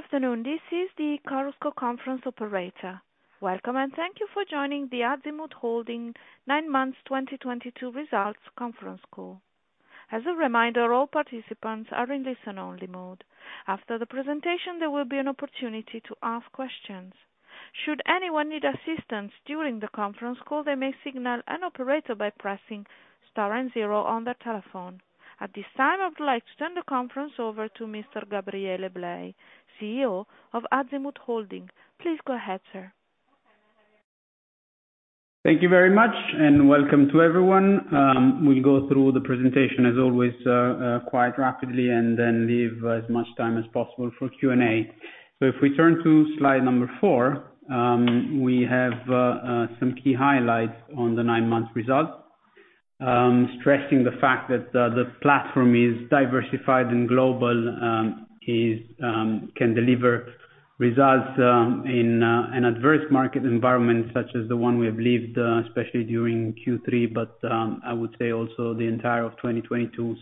Good afternoon, this is the Chorus Call conference operator. Welcome, and thank you for joining the Azimut Holding Nine Months 2022 Results Conference Call. As a reminder, all participants are in listen-only mode. After the presentation, there will be an opportunity to ask questions. Should anyone need assistance during the conference call, they may signal an operator by pressing star and zero on their telephone. At this time, I would like to turn the conference over to Mr. Gabriele Blei, CEO of Azimut Holding. Please go ahead, sir. Thank you very much and welcome to everyone. We'll go through the presentation as always, quite rapidly and then leave as much time as possible for Q&A. If we turn to slide number 4, we have some key highlights on the nine-month results. Stressing the fact that the platform is diversified and global, can deliver results in an adverse market environment such as the one we have lived, especially during Q3, but I would say also the entire of 2022.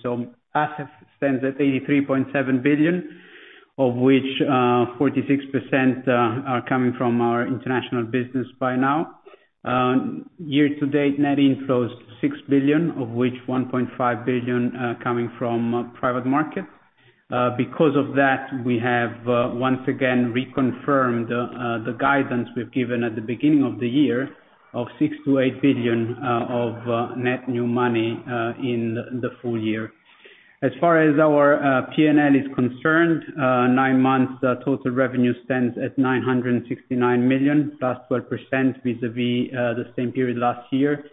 Assets stands at 83.7 billion, of which 46% are coming from our international business by now. Year to date, net inflows, 6 billion, of which 1.5 billion coming from private markets. Because of that, we have once again reconfirmed the guidance we've given at the beginning of the year of 6 billion-8 billion of net new money in the full year. As far as our P&L is concerned, nine months total revenue stands at 969 million, +12% vis-à-vis the same period last year.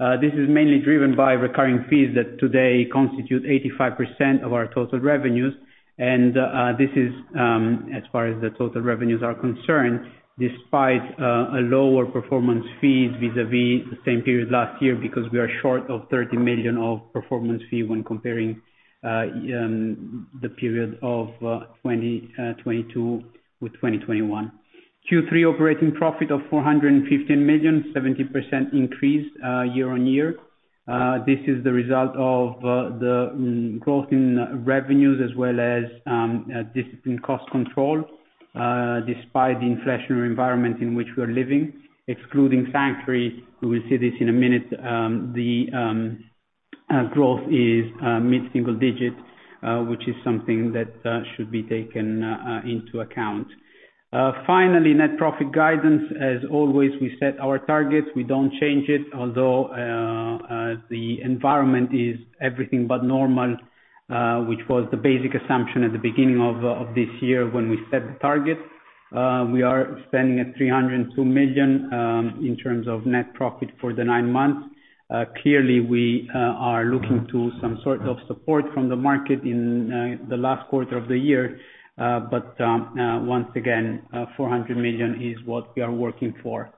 This is mainly driven by recurring fees that today constitute 85% of our total revenues. This is, as far as the total revenues are concerned, despite a lower performance fees vis-à-vis the same period last year, because we are short of 30 million of performance fee when comparing the period of 2022 with 2021. Q3 operating profit of 415 million, 70% increase year-on-year. This is the result of the growth in revenues as well as disciplined cost control, despite the inflationary environment in which we are living, excluding Sanctuary. We will see this in a minute. The growth is mid-single-digit, which is something that should be taken into account. Finally, net profit guidance. As always, we set our targets. We don't change it, although the environment is everything but normal, which was the basic assumption at the beginning of this year when we set the target. We are standing at 302 million in terms of net profit for the nine months. Clearly we are looking to some sort of support from the market in the last quarter of the year. Once again, 400 million is what we are working for.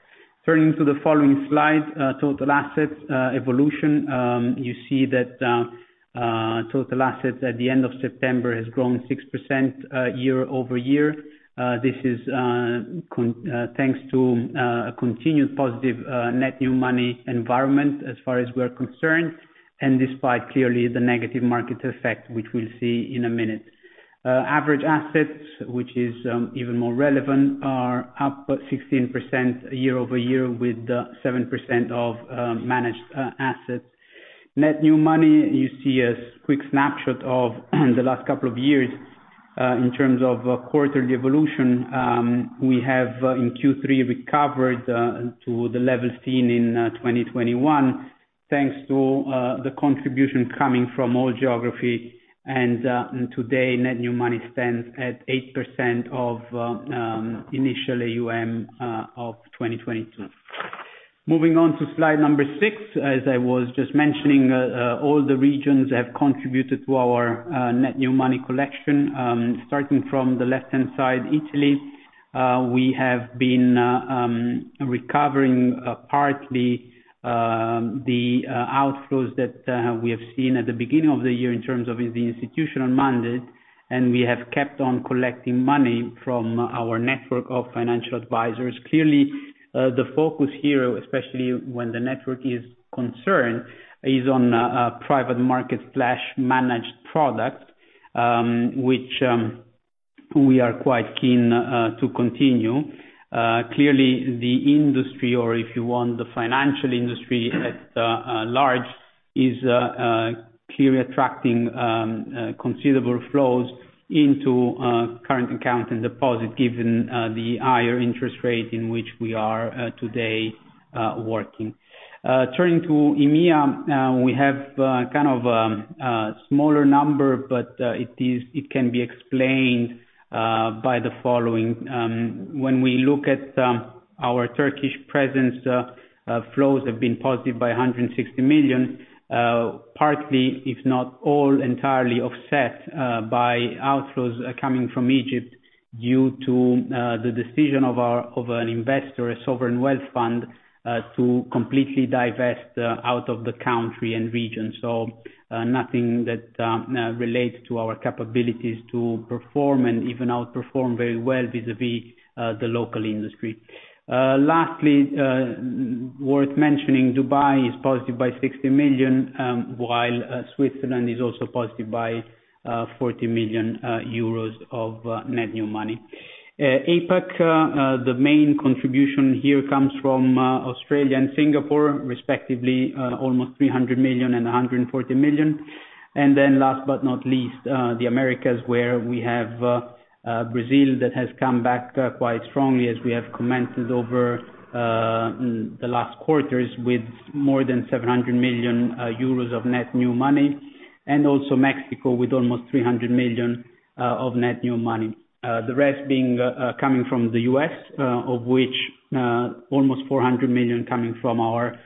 Turning to the following slide, total assets evolution. You see that total assets at the end of September has grown 6% year-over-year. This is thanks to a continued positive net new money environment as far as we're concerned, and despite clearly the negative market effect, which we'll see in a minute. Average assets, which is even more relevant, are up 16% year-over-year with 7% of managed assets. Net new money, you see a quick snapshot of the last couple of years in terms of quarterly evolution. We have in Q3 recovered to the level seen in 2021, thanks to the contribution coming from all geographies. Today, net new money stands at 8% of initial of 2022. Moving on to slide 6. As I was just mentioning, all the regions have contributed to our net new money collection. Starting from the left-hand side, Italy, we have been recovering partly the outflows that we have seen at the beginning of the year in terms of the institutional mandate, and we have kept on collecting money from our network of financial advisors. Clearly, the focus here, especially when the network is concerned, is on private markets and managed products, which we are quite keen to continue. Clearly the industry or if you want the financial industry at large is clearly attracting considerable flows into current account and deposit, given the higher interest rate in which we are today working. Turning to EMEA, we have kind of smaller number, but it can be explained by the following. When we look at our Turkish presence, flows have been positive by 160 million, partly if not all, entirely offset by outflows coming from Egypt due to the decision of an investor, a sovereign wealth fund, to completely divest out of the country and region. Nothing that relates to our capabilities to perform and even outperform very well vis-a-vis the local industry. Lastly, worth mentioning, Dubai is positive by 60 million, while Switzerland is also positive by 40 million euros of net new money. APAC, the main contribution here comes from Australia and Singapore respectively, almost 300 million and 140 million. Last but not least, the Americas, where we have Brazil that has come back quite strongly as we have commented over the last quarters, with more than 700 million euros of net new money, and also Mexico with almost 300 million of net new money. The rest being coming from the U.S, of which almost 400 million coming from our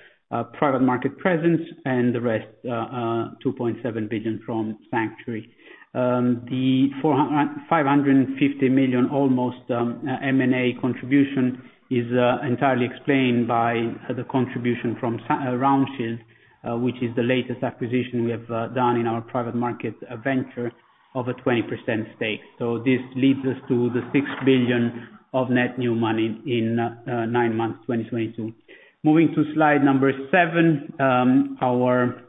private market presence and the rest 2.7 billion from Sanctuary Wealth. The almost 550 million M&A contribution is entirely explained by the contribution from RoundShield, which is the latest acquisition we have done in our private market venture of a 20% stake. This leads us to the 6 billion of net new money in nine months, 2022. Moving to slide number 7, our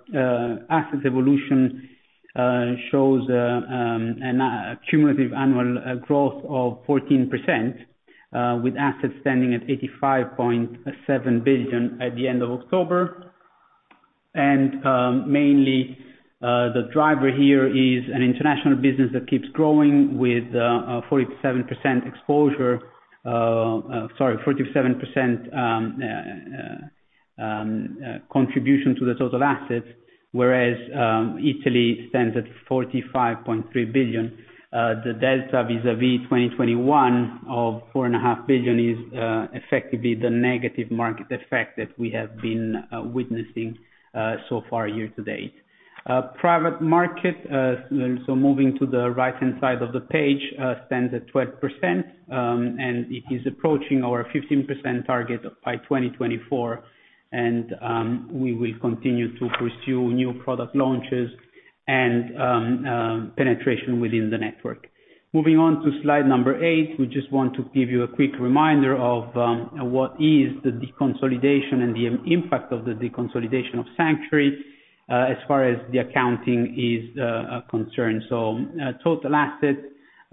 assets evolution shows cumulative annual growth of 14%, with assets standing at 85.7 billion at the end of October. Mainly, the driver here is an international business that keeps growing with 47% contribution to the total assets, whereas Italy stands at 45.3 billion. The delta vis-a-vis 2021 of 4.5 billion is effectively the negative market effect that we have been witnessing so far year to date. Private market, so moving to the right-hand side of the page, stands at 12%, and it is approaching our 15% target by 2024, and we will continue to pursue new product launches and penetration within the network. Moving on to slide number 8. We just want to give you a quick reminder of what is the deconsolidation and the impact of the deconsolidation of Sanctuary, as far as the accounting is concerned. Total assets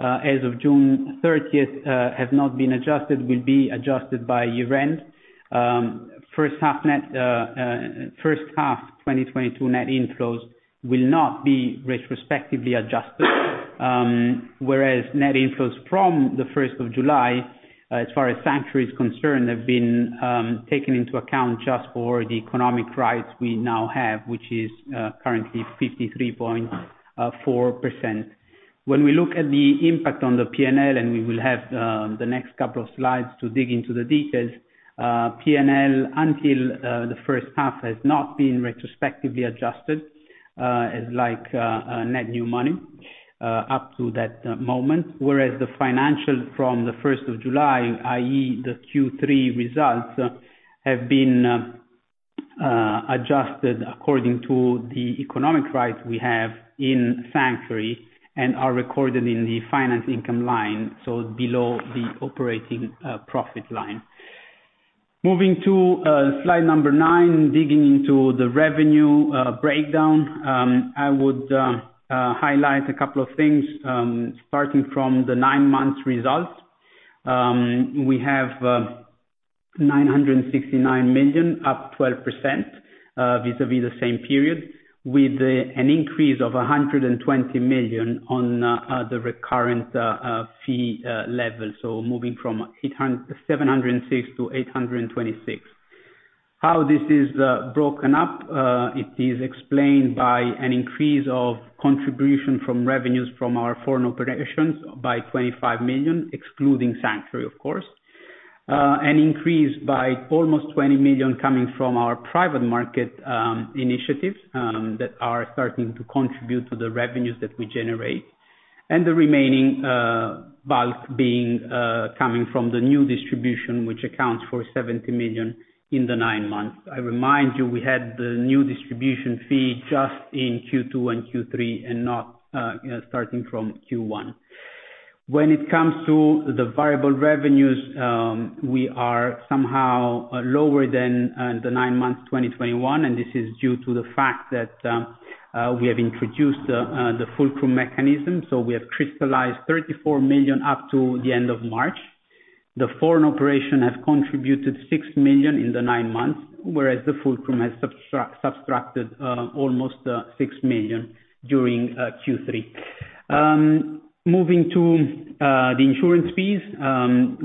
as of June 30th have not been adjusted, will be adjusted by year-end. First half 2022 net inflows will not be retrospectively adjusted. Whereas net inflows from July 1, as far as Sanctuary is concerned, have been taken into account just for the economic rights we now have, which is currently 53.4%. When we look at the impact on the P&L, and we will have the next couple of slides to dig into the details, P&L until the first half has not been retrospectively adjusted, as like net new money up to that moment, whereas the financial from the first of July, i.e. the Q3 results, have been adjusted according to the economic rights we have in Sanctuary and are recorded in the finance income line, so below the operating profit line. Moving to slide number 9, digging into the revenue breakdown. I would highlight a couple of things, starting from the 9-month results. We have 969 million up 12% vis-à-vis the same period, with an increase of 120 million on the recurrent fee level. Moving from 706 to 826. How this is broken up, it is explained by an increase of contribution from revenues from our foreign operations by 25 million, excluding Sanctuary, of course, an increase by almost 20 million coming from our private market initiatives that are starting to contribute to the revenues that we generate. The remaining bulk being coming from the new distribution, which accounts for 70 million in the 9 months. I remind you, we had the new distribution fee just in Q2 and Q3 and not starting from Q1. When it comes to the variable revenues, we are somehow lower than the nine months 2021, and this is due to the fact that we have introduced the fulcrum mechanism. We have crystallized 34 million up to the end of March. The foreign operation has contributed 6 million in the nine months, whereas the fulcrum has subtracted almost 6 million during Q3. Moving to the insurance fees.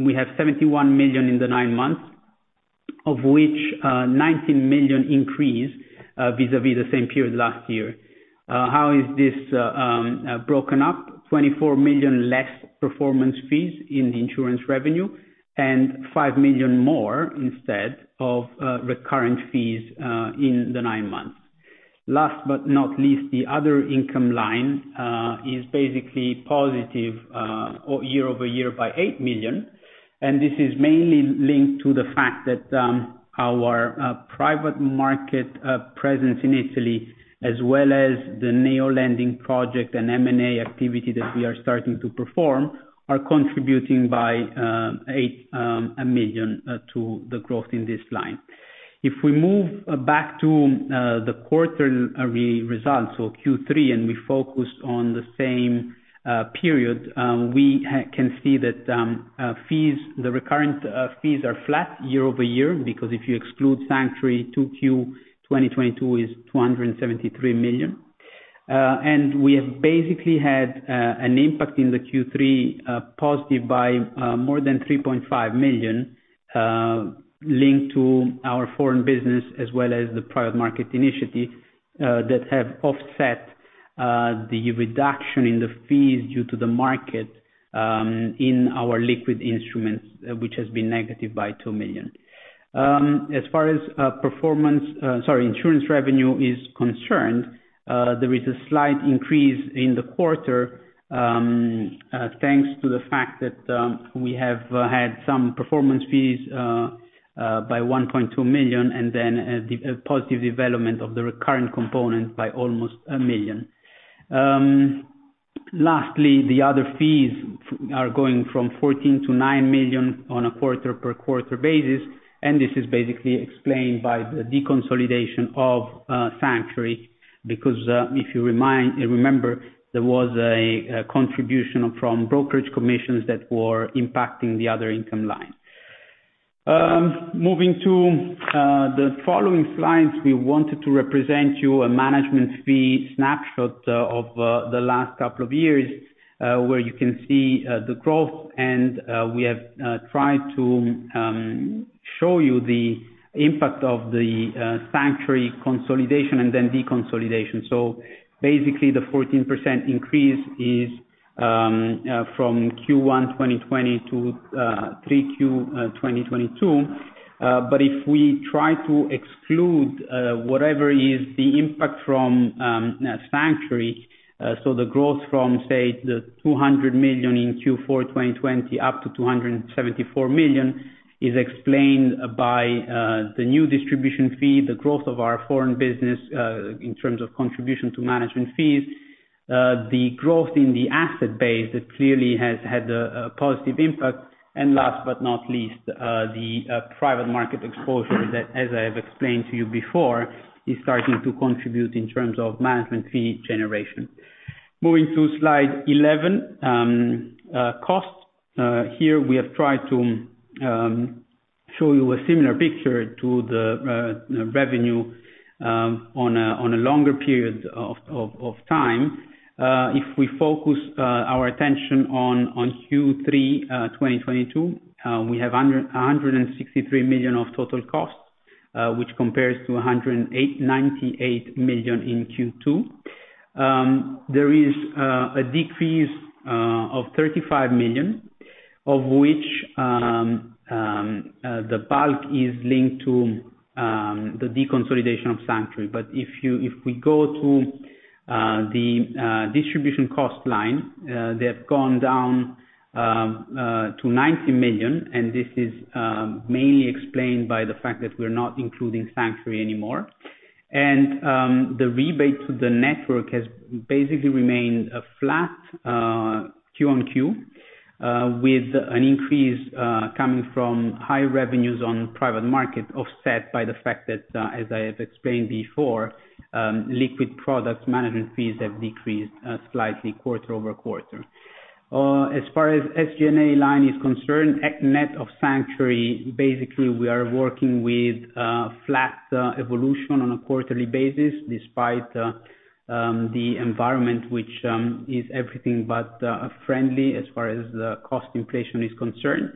We have 71 million in the nine months, of which 19 million increase vis-a-vis the same period last year. How is this broken up? 24 million less performance fees in insurance revenue and 5 million more instead of recurrent fees in the nine months. Last but not least, the other income line is basically positive year-over-year by 8 million, and this is mainly linked to the fact that our private market presence in Italy, as well as the neo-lending project and M&A activity that we are starting to perform, are contributing by eight million to the growth in this line. If we move back to the quarterly results, so Q3, and we focus on the same period, we can see that fees, the recurring fees are flat year-over-year, because if you exclude Sanctuary, 2Q 2022 is 273 million. We have basically had an impact in Q3 positive by more than 3.5 million linked to our foreign business, as well as the private market initiative, that have offset the reduction in the fees due to the market in our liquid instruments, which has been negative by 2 million. As far as insurance revenue is concerned, there is a slight increase in the quarter thanks to the fact that we have had some performance fees by 1.2 million, and then a positive development of the recurrent component by almost 1 million. Last, the other fees are going from 14 million to 9 million on a quarter-over-quarter basis, and this is basically explained by the deconsolidation of Sanctuary, because if you remember, there was a contribution from brokerage commissions that were impacting the other income line. Moving to the following slides, we wanted to represent you a management fee snapshot of the last couple of years, where you can see the growth and we have tried to show you the impact of the Sanctuary consolidation and then deconsolidation. Basically the 14% increase is from Q1 2020 to 3Q 2022. If we try to exclude whatever is the impact from Sanctuary, the growth from, say, 200 million in Q4 2020 up to 274 million is explained by the new distribution fee, the growth of our foreign business in terms of contribution to management fees. The growth in the asset base that clearly has had a positive impact. Last but not least, the private market exposure that, as I have explained to you before, is starting to contribute in terms of management fee generation. Moving to slide 11, costs. Here we have tried to show you a similar picture to the revenue on a longer period of time. If we focus our attention on Q3 2022, we have 163 million of total costs, which compares to 98 million in Q2. There is a decrease of 35 million, of which the bulk is linked to the deconsolidation of Sanctuary. If we go to the distribution cost line, they have gone down to 90 million, and this is mainly explained by the fact that we're not including Sanctuary anymore. The rebate to the network has basically remained flat, Q-on-Q, with an increase coming from high revenues on private market, offset by the fact that, as I have explained before, liquid products management fees have decreased slightly quarter-over-quarter. As far as SG&A line is concerned, at net of Sanctuary, basically, we are working with flat evolution on a quarterly basis despite the environment which is everything but friendly as far as the cost inflation is concerned.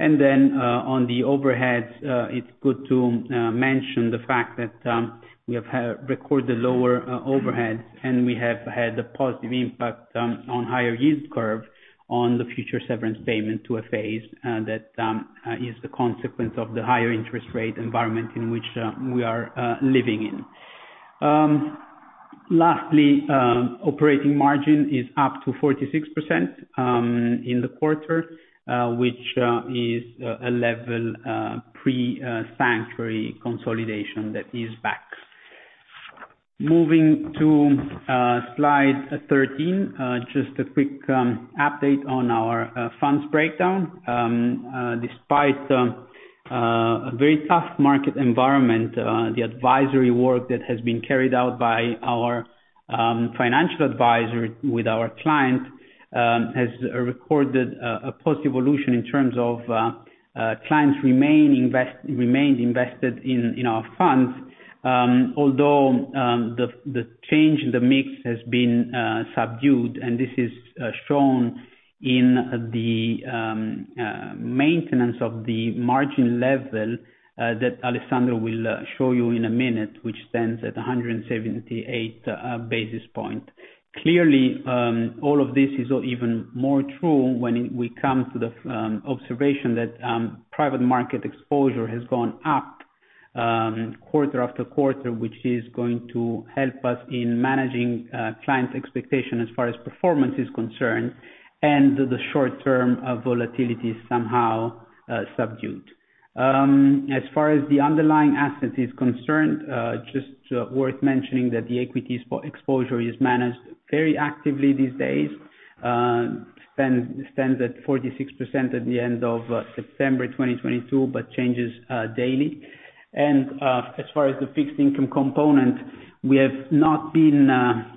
On the overheads, it's good to mention the fact that we have recorded lower overhead, and we have had a positive impact from the higher yield curve on the future severance payment TFR phase that is the consequence of the higher interest rate environment in which we are living. Lastly, operating margin is up to 46% in the quarter, which is a level pre-Sanctuary consolidation that is back. Moving to slide 13. Just a quick update on our funds breakdown. Despite a very tough market environment, the advisory work that has been carried out by our financial advisory with our clients has recorded a positive evolution in terms of clients remained invested in our funds. Although the change in the mix has been subdued, and this is shown in the maintenance of the margin level that Alessandro will show you in a minute, which stands at 178 basis point. Clearly, all of this is even more true when we come to the observation that private market exposure has gone up quarter after quarter, which is going to help us in managing clients' expectation as far as performance is concerned, and the short-term volatility is somehow subdued. As far as the underlying assets is concerned, just worth mentioning that the equities exposure is managed very actively these days. It stands at 46% at the end of September 2022, but changes daily. As far as the fixed income component, we have not been,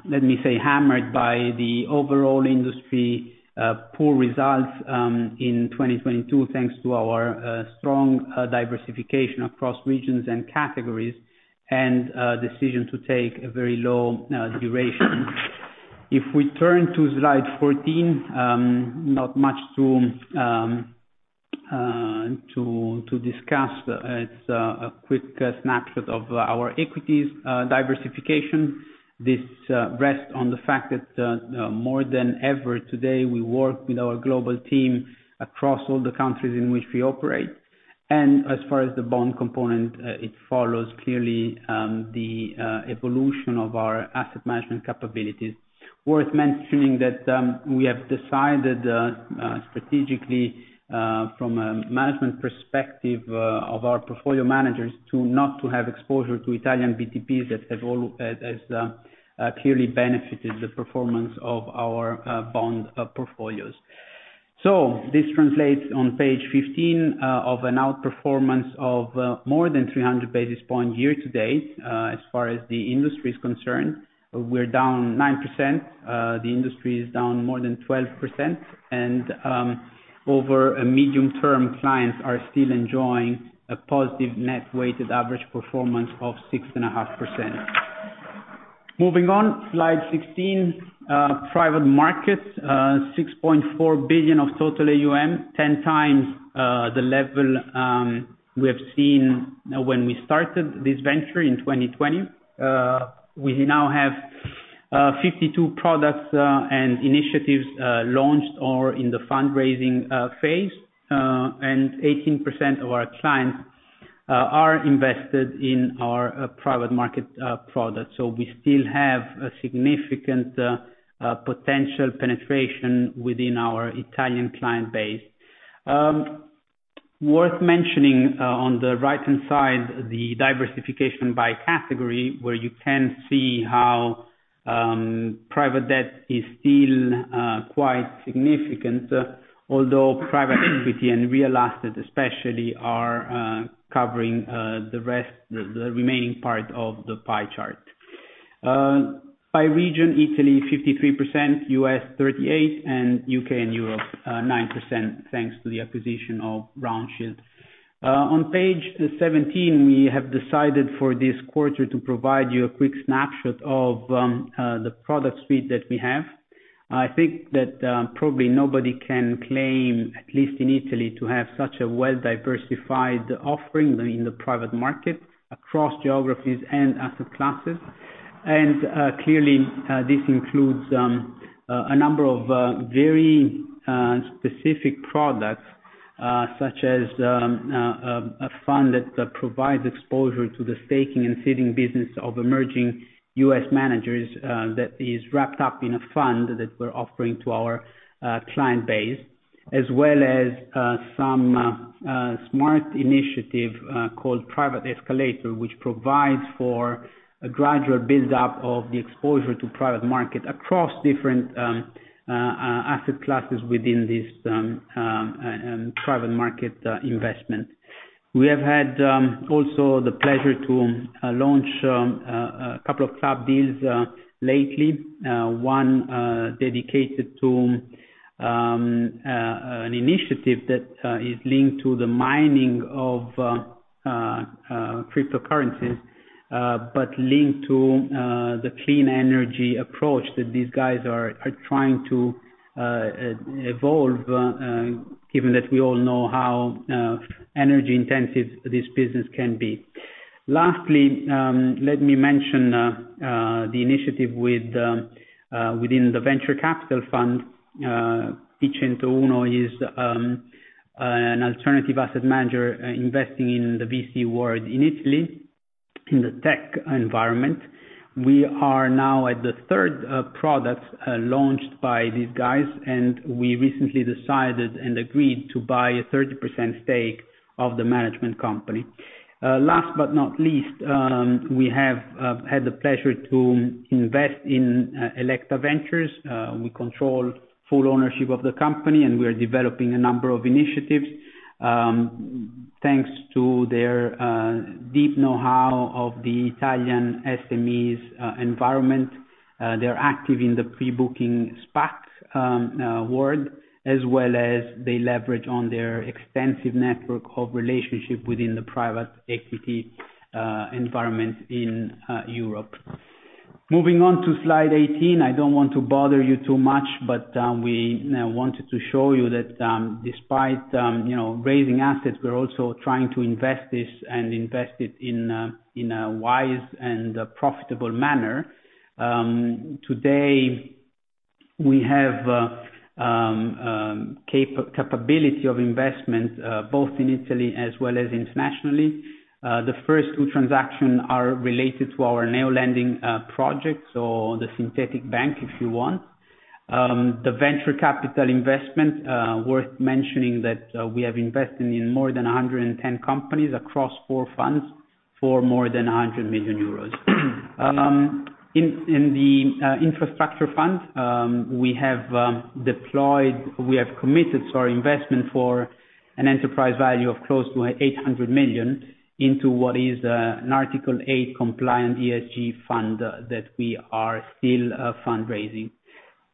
let me say, hammered by the overall industry poor results in 2022, thanks to our strong diversification across regions and categories and decision to take a very low duration. If we turn to slide 14, not much to discuss. It's a quick snapshot of our equities diversification. This rests on the fact that more than ever today, we work with our global team across all the countries in which we operate. As far as the bond component, it follows clearly the evolution of our asset management capabilities. Worth mentioning that we have decided strategically, from a management perspective, of our portfolio managers to not have exposure to Italian BTPs. That has clearly benefited the performance of our bond portfolios. This translates on page 15 of an outperformance of more than 300 basis points year-to-date. As far as the industry is concerned, we're down 9%, the industry is down more than 12%. Over a medium term, clients are still enjoying a positive net weighted average performance of 6.5%. Moving on, slide 16. Private markets, 6.4 billion of total AUM, 10x the level we have seen when we started this venture in 2020. We now have 52 products and initiatives launched or in the fundraising phase. 18% of our clients are invested in our private market products. We still have a significant potential penetration within our Italian client base. Worth mentioning, on the right-hand side, the diversification by category, where you can see how private debt is still quite significant, although private equity and real assets especially are covering the rest, the remaining part of the pie chart. By region, Italy 53%, U.S. 38%, and U.K. and Europe 9%, thanks to the acquisition of RoundShield. On page 17, we have decided for this quarter to provide you a quick snapshot of the product suite that we have. I think that probably nobody can claim, at least in Italy, to have such a well-diversified offering in the private market across geographies and asset classes. Clearly, this includes a number of very specific products, such as a fund that provides exposure to the staking and seeding business of emerging U.S. managers, that is wrapped up in a fund that we're offering to our client base. As well as some smart initiative called Private Escalator, which provides for a gradual build-up of the exposure to private market across different asset classes within this private market investment. We have had also the pleasure to launch a couple of club deals lately. One dedicated to an initiative that is linked to the mining of cryptocurrencies, but linked to the clean energy approach that these guys are trying to evolve, given that we all know how energy intensive this business can be. Lastly, let me mention the initiative within the venture capital fund. P101 is an alternative asset manager investing in the VC world in Italy, in the tech environment. We are now at the third product launched by these guys, and we recently decided and agreed to buy a 30% stake of the management company. Last but not least, we have had the pleasure to invest in Electa Ventures. We control full ownership of the company, and we are developing a number of initiatives, thanks to their deep know-how of the Italian SMEs environment. They're active in the pre-IPO SPAC world, as well as they leverage on their extensive network of relationship within the private equity environment in Europe. Moving on to slide 18. I don't want to bother you too much, but we wanted to show you that, despite you know, raising assets, we're also trying to invest this and invest it in a wise and profitable manner. Today, we have capability of investment both in Italy as well as internationally. The first two transaction are related to our neo-lending projects or the synthetic bank, if you want. The venture capital investment worth mentioning that we have invested in more than 110 companies across four funds for more than 100 million euros. In the infrastructure fund, we have committed investment for an enterprise value of close to 800 million into what is an Article 8 compliant ESG fund that we are still fundraising.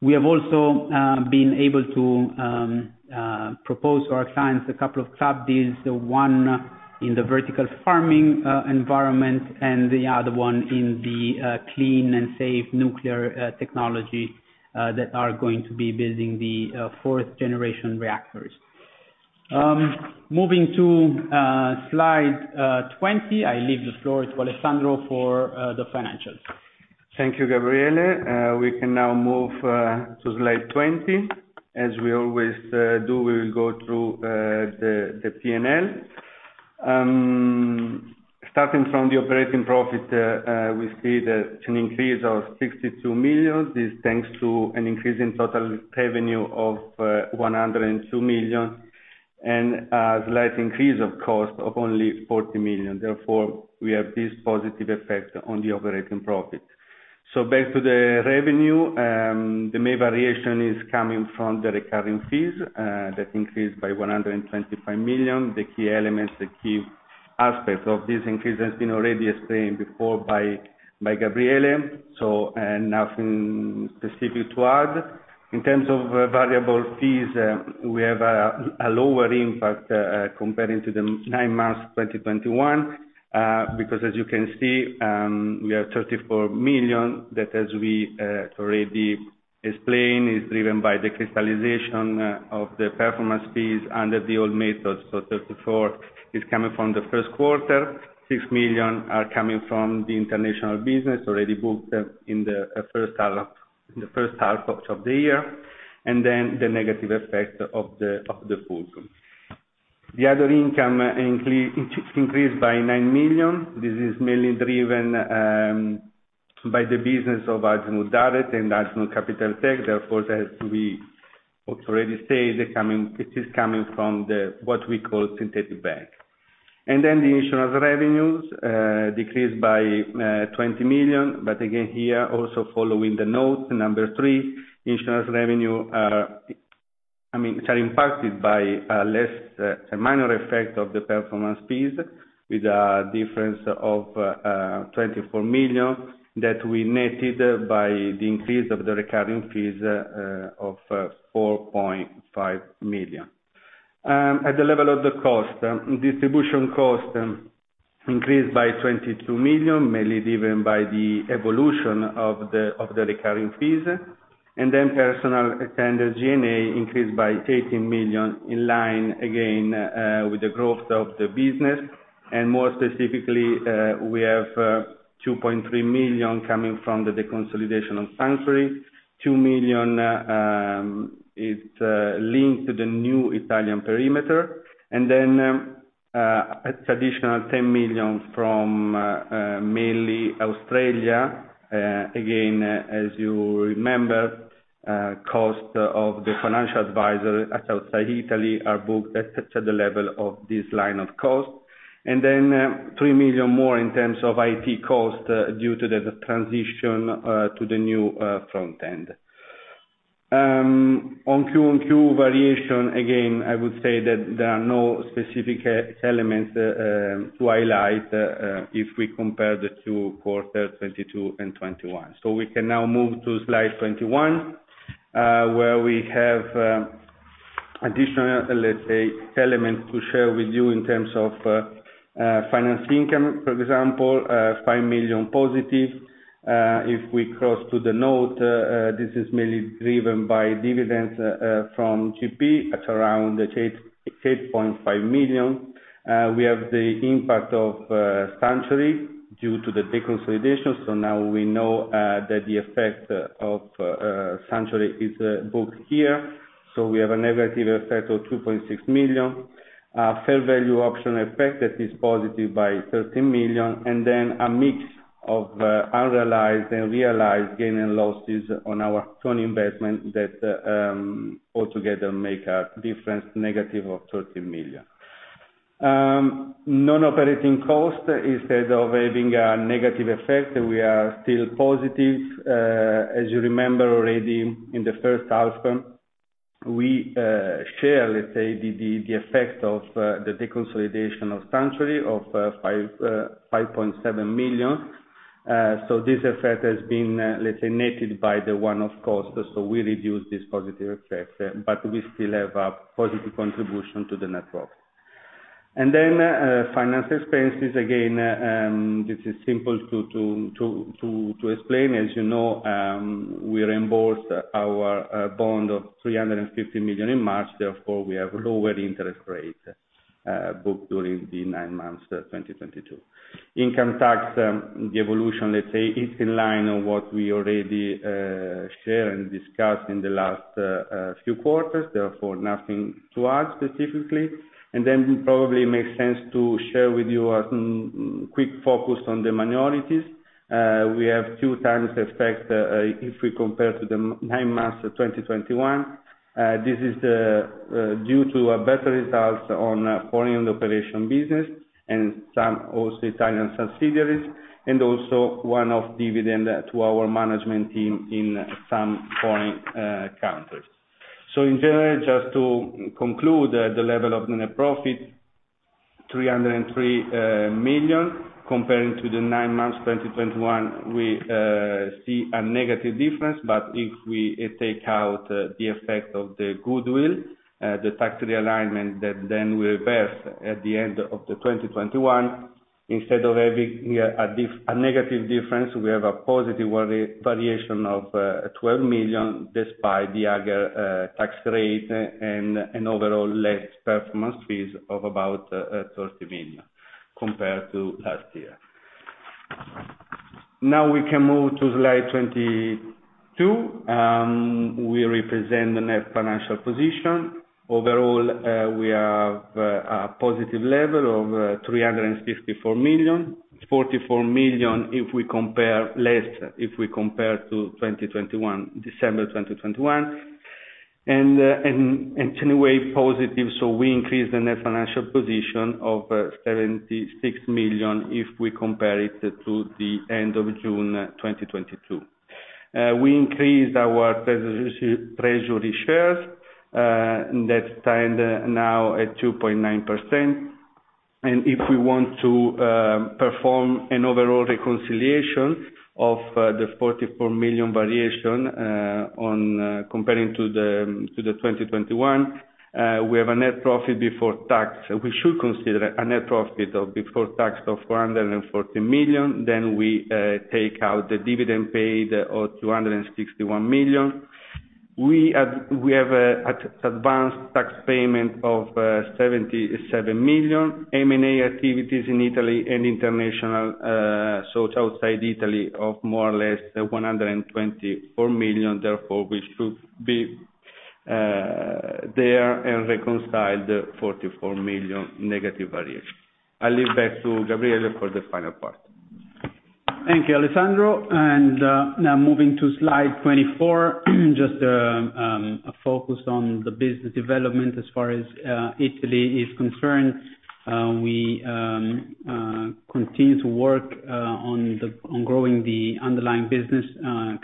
We have also been able to propose to our clients a couple of club deals, one in the vertical farming environment and the other one in the clean and safe nuclear technology that are going to be building the fourth generation reactors. Moving to slide 20, I leave the floor to Alessandro for the financials. Thank you, Gabriele. We can now move to slide 20. As we always do, we will go through the P. Starting from the operating profit, we see that an increase of 62 million is thanks to an increase in total revenue of 102 million and slight increase of cost of only 40 million. Therefore, we have this positive effect on the operating profit. Back to the revenue. The main variation is coming from the recurring fees that increased by 125 million. The key elements, the key aspects of this increase has been already explained before by Gabriele, so and nothing specific to add. In terms of variable fees, we have a lower impact compared to the nine months 2021, because as you can see, we are 34 million that, as we already explained, is driven by the crystallization of the performance fees under the old method. 34 is coming from the first quarter. 6 million are coming from the international business already booked in the first half of the year, and then the negative effect of the full group. Other income increased by 9 million. This is mainly driven by the business of Azimut Direct and Azimut Capital Management. Therefore, that has to be what's already said, it is coming from what we call synthetic bank. Insurance revenues decreased by 20 million. Again, here also following the note, number three, insurance revenue, I mean, are impacted by a minor effect of the performance fees with a difference of 24 million that we netted by the increase of the recurring fees of 4.5 million. At the level of the cost, distribution cost increased by 22 million, mainly driven by the evolution of the recurring fees. Personnel and the G&A increased by 18 million in line again with the growth of the business. More specifically, we have 2.3 million coming from the deconsolidation of Sanctuary. 2 million is linked to the new Italian perimeter. Additional 10 million from mainly Australia. Again, as you remember, cost of the financial advisor outside Italy are booked at the level of this line of cost. 3 million more in terms of IT costs due to the transition to the new front end. On QoQ variation, again, I would say that there are no specific elements to highlight if we compare the two quarters, 2022 and 2021. We can now move to slide 21, where we have additional, let's say, elements to share with you in terms of finance income. For example, 5 million positive. If we cross to the note, this is mainly driven by dividends from GP at around 8.5 million. We have the impact of Sanctuary due to the deconsolidation. Now we know that the effect of Sanctuary Wealth is booked here. We have a negative effect of 2.6 million. Fair value option effect that is positive by 13 million, and then a mix of unrealized and realized gains and losses on our treasury investment that all together make a difference negative of 13 million. Non-operating cost instead of having a negative effect, we are still positive. As you remember already in the first half, we shared, let's say, the effect of the deconsolidation of Sanctuary Wealth of 5.7 million. So this effect has been, let's say, netted by the one-off costs, so we reduce this positive effect, but we still have a positive contribution to the net worth. Finance expenses, again, this is simple to explain. As you know, we reimbursed our bond of 350 million in March, therefore, we have lower interest rate booked during the nine months of 2022. Income tax, the evolution, let's say, is in line with what we already share and discussed in the last few quarters, therefore nothing to add specifically. Probably makes sense to share with you a quick focus on the minorities. We have twofold effect if we compare to the nine months of 2021. This is due to better results on foreign operations business and some Italian subsidiaries, and also one-off dividend to our management team in some foreign countries. In general, just to conclude, the level of net profit, 303 million comparing to the nine months 2021, we see a negative difference. If we take out the effect of the goodwill, the tax realignment that then we reverse at the end of the 2021, instead of having a negative difference, we have a positive variation of 12 million, despite the higher tax rate and overall less performance fees of about 30 million compared to last year. Now we can move to slide 22. We represent the net financial position. Overall, we have a positive level of 354 million. 44 million less if we compare to December 2021, and anyway, positive. We increased the net financial position of 76 million if we compare it to the end of June 2022. We increased our treasury shares that stand now at 2.9%. If we want to perform an overall reconciliation of the 44 million variation on comparing to 2021, we have a net profit before tax. We should consider a net profit before tax of 440 million. We take out the dividend paid of 261 million. We have an advanced tax payment of 77 million M&A activities in Italy and international, so outside Italy of more or less 124 million therefore, which should be there and reconcile the 44 million negative variation. I hand back to Gabriele Blei for the final part. Thank you, Alessandro. Now moving to slide 24, just a focus on the business development as far as Italy is concerned. We continue to work on growing the underlying business.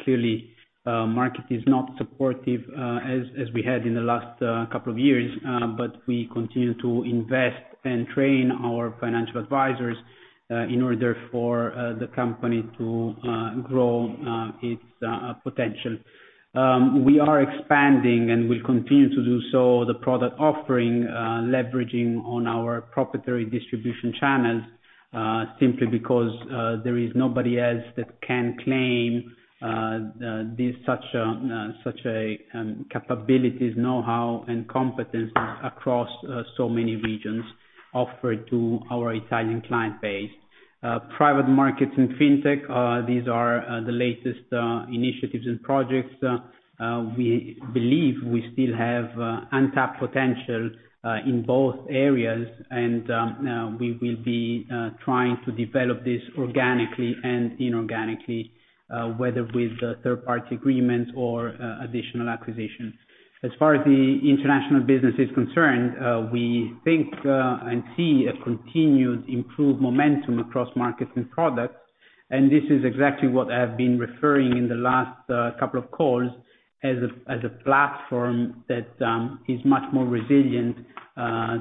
Clearly, market is not supportive as we had in the last couple of years, but we continue to invest and train our financial advisors in order for the company to grow its potential. We are expanding, and we'll continue to do so the product offering, leveraging on our proprietary distribution channels, simply because there is nobody else that can claim such a capabilities, know-how, and competence across so many regions offered to our Italian client base. Private markets and FinTech, these are the latest initiatives and projects. We believe we still have untapped potential in both areas. We will be trying to develop this organically and inorganically, whether with third party agreements or additional acquisitions. As far as the international business is concerned, we think and see a continued improved momentum across markets and products. This is exactly what I've been referring in the last couple of calls as a platform that is much more resilient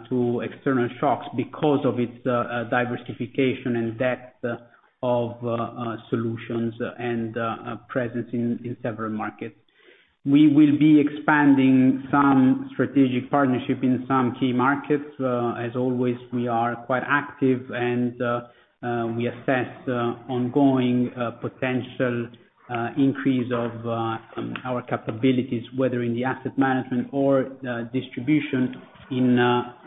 to external shocks because of its diversification and depth of solutions and presence in several markets. We will be expanding some strategic partnership in some key markets. As always, we are quite active and we assess ongoing potential increase of our capabilities, whether in the asset management or distribution in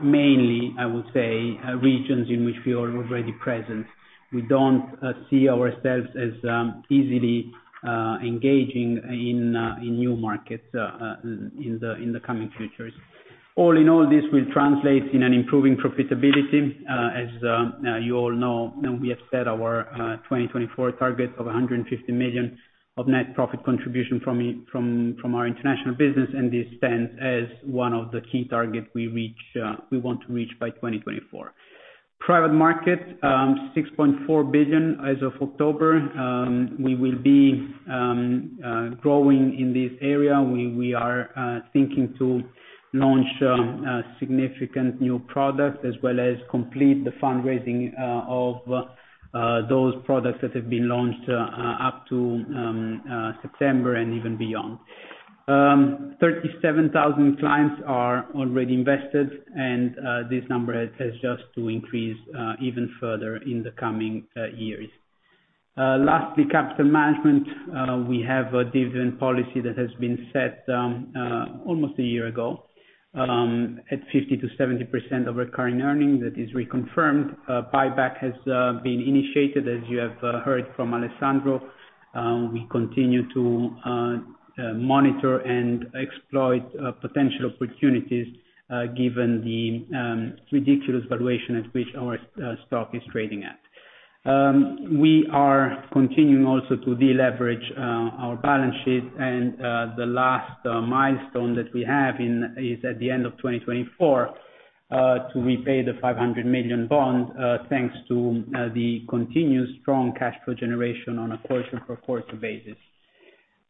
mainly, I would say, regions in which we are already present. We don't see ourselves as easily engaging in new markets in the coming future. All in all, this will translate in an improving profitability. As you all know, we have set our 2024 target of 150 million of net profit contribution from our international business. This stands as one of the key targets we want to reach by 2024. Private market 6.4 billion as of October. We will be growing in this area. We are thinking to launch a significant new product as well as complete the fundraising of those products that have been launched up to September and even beyond. 37,000 clients are already invested, and this number has just to increase even further in the coming years. Lastly, capital management. We have a dividend policy that has been set almost a year ago at 50%-70% of recurring earnings. That is reconfirmed. Buyback has been initiated, as you have heard from Alessandro. We continue to monitor and exploit potential opportunities given the ridiculous valuation at which our stock is trading at. We are continuing also to deleverage our balance sheet. The last milestone that we have is at the end of 2024 to repay the 500 million bond, thanks to the continued strong cash flow generation on a quarter-for-quarter basis.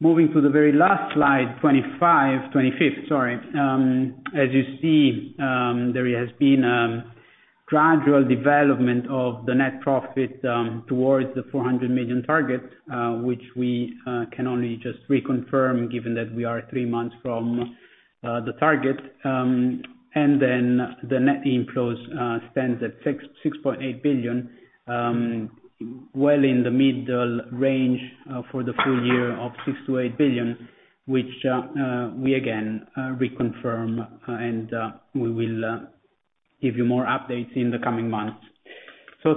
Moving to the very last slide, 25th, sorry. As you see, there has been gradual development of the net profit towards the 400 million target, which we can only just reconfirm given that we are three months from the target. The net inflows stands at 6.8 billion, well in the middle range for the full year of 6-8 billion, which we again reconfirm and we will give you more updates in the coming months.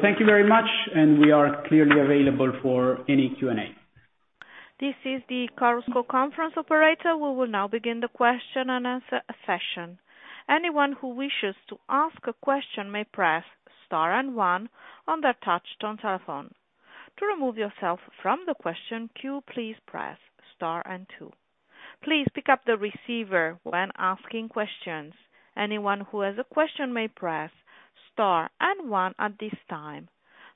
Thank you very much, and we are clearly available for any Q&A. This is the Chorus Call conference operator. We will now begin the question and answer session. Anyone who wishes to ask a question may press Star and One on their touch-tone telephone. To remove yourself from the question queue, please press Star and Two. Please pick up the receiver when asking questions. Anyone who has a question may press Star and One at this time.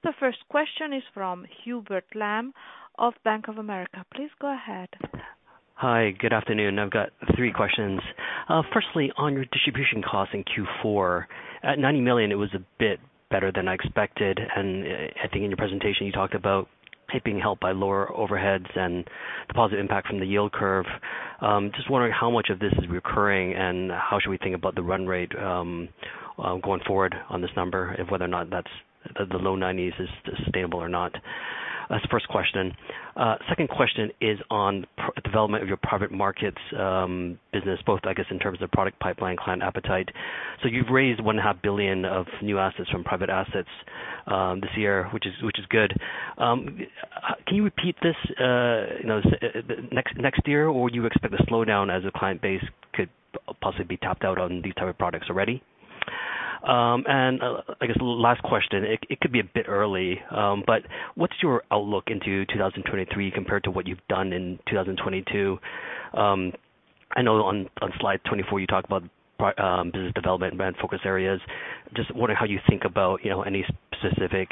The first question is from Hubert Lam of Bank of America. Please go ahead. Hi. Good afternoon. I've got three questions. Firstly, on your distribution costs in Q4. At 90 million, it was a bit better than I expected. I think in your presentation, you talked about helped by lower overheads and deposit impact from the yield curve. Just wondering how much of this is recurring and how should we think about the run rate, going forward on this number, and whether or not that's the low nineties is sustainable or not. That's the first question. Second question is on private development of your private markets business, both, I guess, in terms of product pipeline, client appetite. You've raised 1.5 billion of new assets from private assets this year, which is good. Can you repeat this, you know, next year? Do you expect a slowdown as the client base could possibly be tapped out on these type of products already? I guess last question. It could be a bit early, but what's your outlook into 2023 compared to what you've done in 2022? I know on slide 24, you talk about business development and brand focus areas. Just wondering how you think about, you know, any specific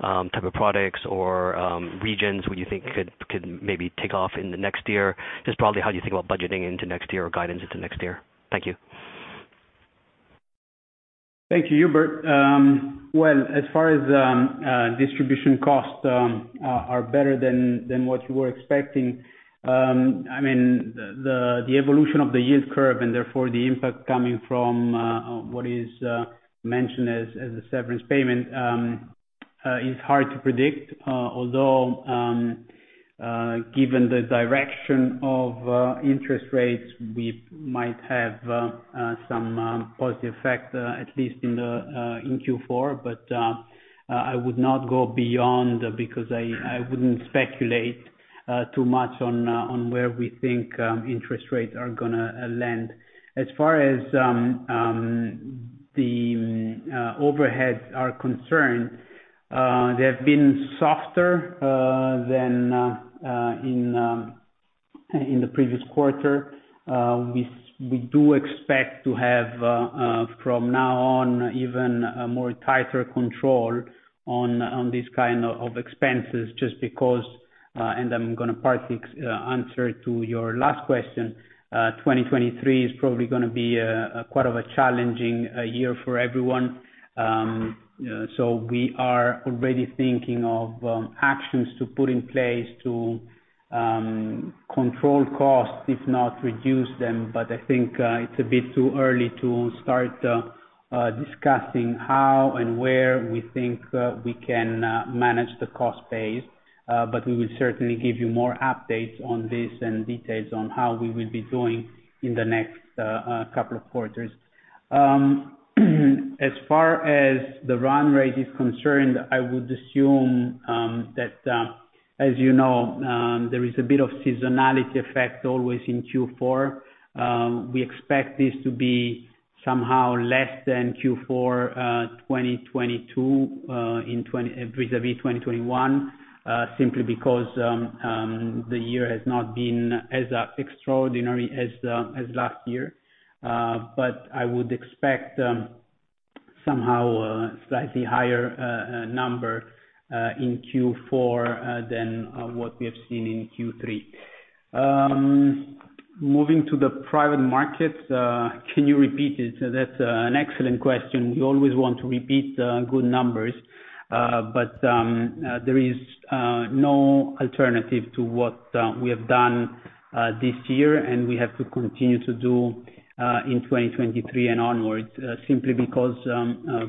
type of products or regions where you think could maybe take off in the next year. Just broadly, how you think about budgeting into next year or guidance into next year. Thank you. Thank you, Hubert. Well, as far as distribution costs are better than what you were expecting, I mean, the evolution of the yield curve, and therefore, the impact coming from what is mentioned as a severance payment is hard to predict. Although, given the direction of interest rates, we might have some positive effect, at least in Q4, but I would not go beyond because I wouldn't speculate too much on where we think interest rates are gonna land. As far as the overheads are concerned, they have been softer than in the previous quarter. We do expect to have from now on even a more tighter control on this kind of expenses, just because and I'm gonna partly answer to your last question, 2023 is probably gonna be a quite a challenging year for everyone. We are already thinking of actions to put in place to control costs, if not reduce them. I think it's a bit too early to start discussing how and where we think we can manage the cost base. We will certainly give you more updates on this and details on how we will be doing in the next couple of quarters. As far as the run rate is concerned, I would assume that, as you know, there is a bit of seasonality effect always in Q4. We expect this to be somehow less than Q4 2022 vis-à-vis 2021, simply because the year has not been as extraordinary as last year. I would expect somehow a slightly higher number in Q4 than what we have seen in Q3. Moving to the private markets, can you repeat it? That's an excellent question. We always want to repeat good numbers. There is no alternative to what we have done this year, and we have to continue to do in 2023 and onwards, simply because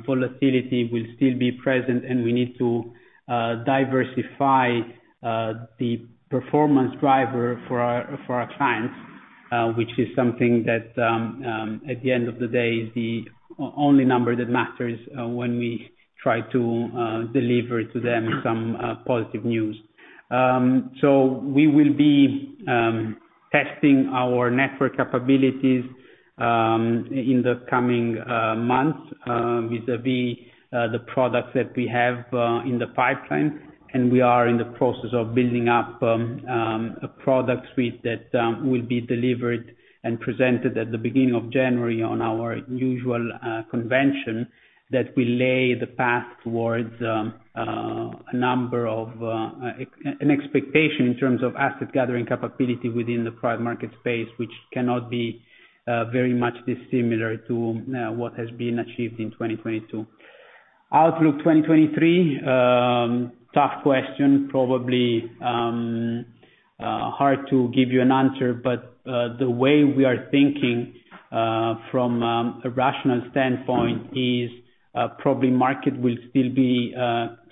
volatility will still be present, and we need to diversify the performance driver for our clients, which is something that at the end of the day is the only number that matters when we try to deliver to them some positive news. We will be testing our network capabilities in the coming months vis-a-vis the products that we have in the pipeline. We are in the process of building up a product suite that will be delivered and presented at the beginning of January on our usual convention that will lay the path towards a number of an expectation in terms of asset gathering capability within the private market space, which cannot be very much dissimilar to what has been achieved in 2022. Outlook 2023, tough question. Probably hard to give you an answer, but the way we are thinking from a rational standpoint is probably market will still be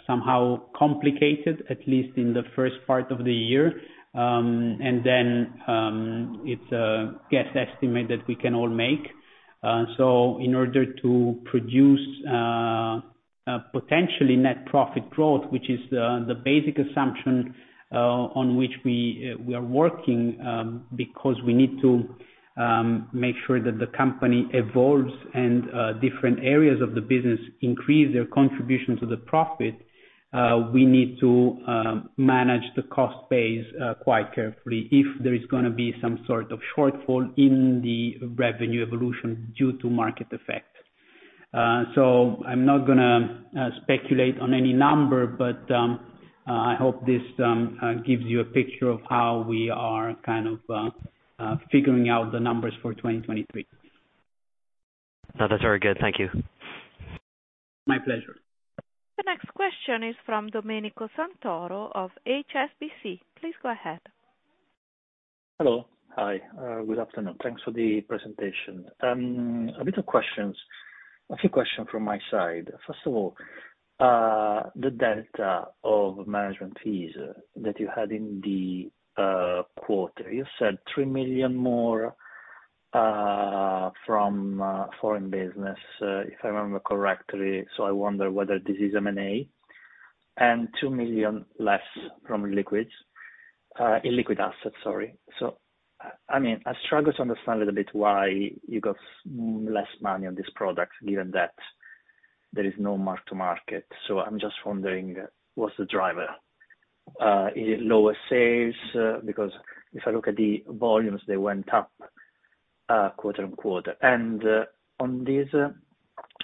somehow complicated, at least in the first part of the year. It's a guess estimate that we can all make. In order to produce potentially net profit growth, which is the basic assumption on which we are working, because we need to make sure that the company evolves and different areas of the business increase their contribution to the profit, we need to manage the cost base quite carefully if there is gonna be some sort of shortfall in the revenue evolution due to market effect. I'm not gonna speculate on any number, but I hope this gives you a picture of how we are kind of figuring out the numbers for 2023. No, that's very good. Thank you. My pleasure. The next question is from Domenico Santoro of HSBC. Please go ahead. Hello. Hi. Good afternoon. Thanks for the presentation. A few questions from my side. First of all, the delta of management fees that you had in the quarter. You said 3 million more from foreign business, if I remember correctly, so I wonder whether this is M&A. Two million less from liquid assets, sorry. I mean, I struggle to understand a little bit why you got less money on this product given that there is no mark to market. I'm just wondering, what's the driver? Is it lower sales? Because if I look at the volumes, they went up quarter-over-quarter. On this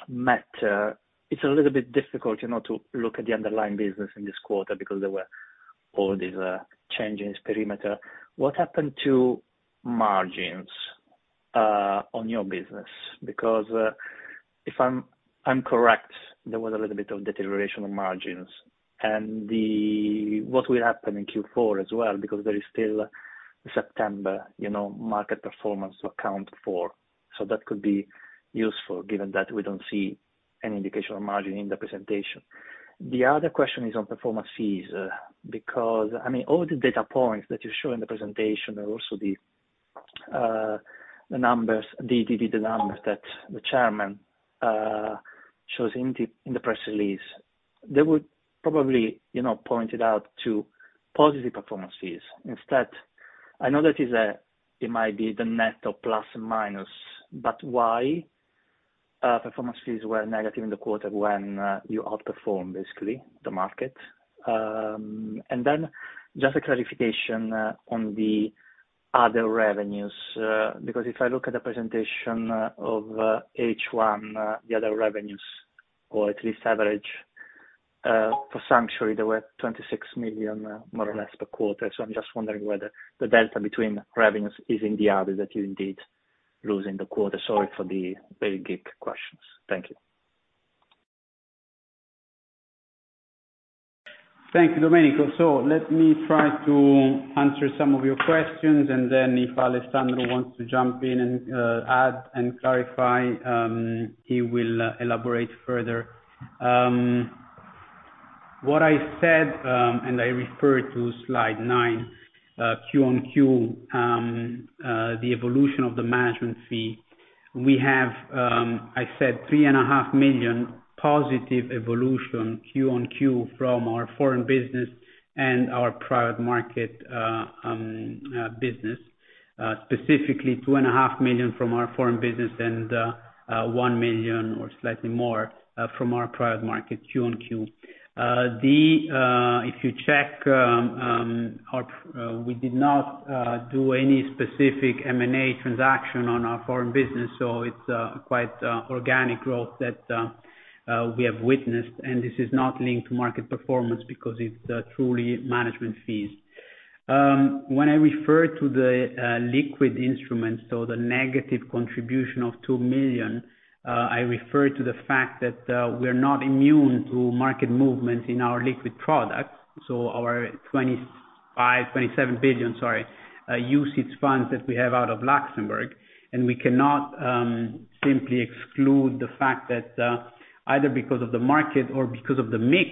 matter, it's a little bit difficult, you know, to look at the underlying business in this quarter because there were all these perimeter changes. What happened to margins on your business? Because if I'm correct, there was a little bit of deterioration of margins. What will happen in Q4 as well, because there is still September, you know, market performance to account for. That could be useful given that we don't see any indication of margins in the presentation. The other question is on performance fees, because I mean, all the data points that you show in the presentation are also the numbers that the chairman shows in the press release. They would probably, you know, point it out to positive performance fees. Instead, I know that is, it might be the net of plus or minus, but why performance fees were negative in the quarter when you outperformed, basically, the market? And then just a clarification on the other revenues, because if I look at the presentation of H1, the other revenues, or at least average for Sanctuary, there were 26 million more or less per quarter. I'm just wondering whether the delta between revenues is in the others that you're indeed losing the quarter. Sorry for the very geek questions. Thank you. Thank you, Domenico. Let me try to answer some of your questions, and then if Alessandro wants to jump in and add and clarify, he will elaborate further. What I said, and I refer to slide 9, Q-on-Q, the evolution of the management fee. We have, I said 3.5 million positive evolution Q-on-Q from our foreign business and our private market business. Specifically 2.5 million from our foreign business and one million or slightly more from our private market Q-on-Q. If you check, we did not do any specific M&A transaction on our foreign business, so it's quite organic growth that we have witnessed, and this is not linked to market performance because it's truly management fees. When I refer to the liquid instruments, so the negative contribution of 2 million, I refer to the fact that we're not immune to market movements in our liquid products. Our 25-27 billion, sorry, UCITS funds that we have out of Luxembourg, and we cannot simply exclude the fact that either because of the market or because of the mix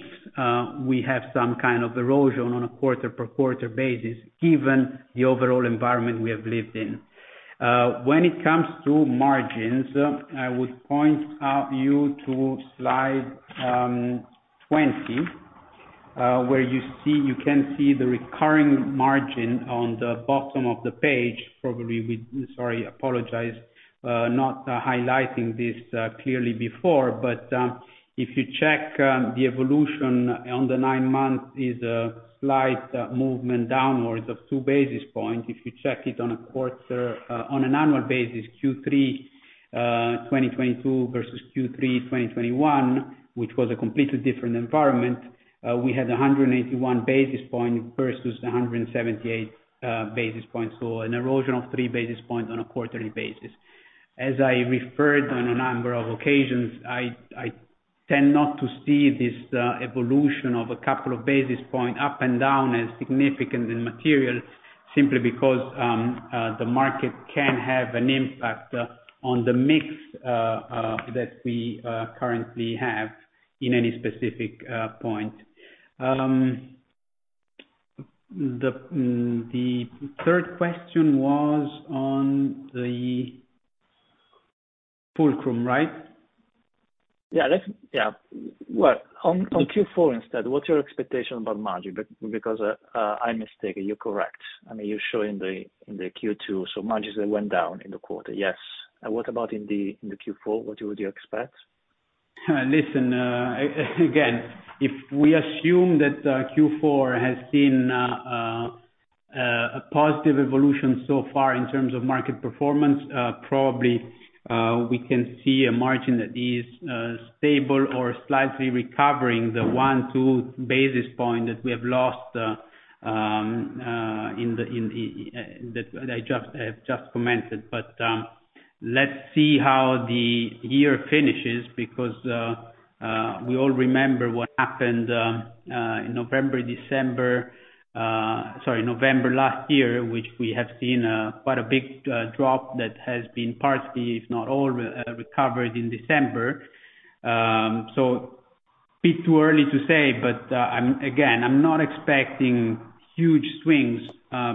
we have some kind of erosion on a quarter-over-quarter basis, given the overall environment we have lived in. When it comes to margins, I would point you to slide 20, where you can see the recurring margin on the bottom of the page. Sorry, apologize not highlighting this clearly before. If you check the evolution over the nine months, it is a slight movement downwards of 2 basis points. If you check it on an annual basis, Q3 2022 versus Q3 2021, which was a completely different environment, we had 181 basis point versus 178 basis points. An erosion of 3 basis points on a quarterly basis. As I referred on a number of occasions, I tend not to see this evolution of a couple of basis points up and down as significant and material, simply because the market can have an impact on the mix that we currently have in any specific point. The third question was on the fulcrum, right? Yeah. Well, on Q4 instead, what's your expectation about margin? Because, I mistaken, you're correct. I mean, you show in the Q2, so margins went down in the quarter. Yes. What about in the Q4? What would you expect? Listen, again, if we assume that Q4 has seen a positive evolution so far in terms of market performance, probably we can see a margin that is stable or slightly recovering the 1-2 basis points that we have lost, that I just commented. Let's see how the year finishes, because we all remember what happened in November last year, which we have seen quite a big drop that has been partly, if not all, recovered in December. So a bit too early to say, but again, I'm not expecting huge swings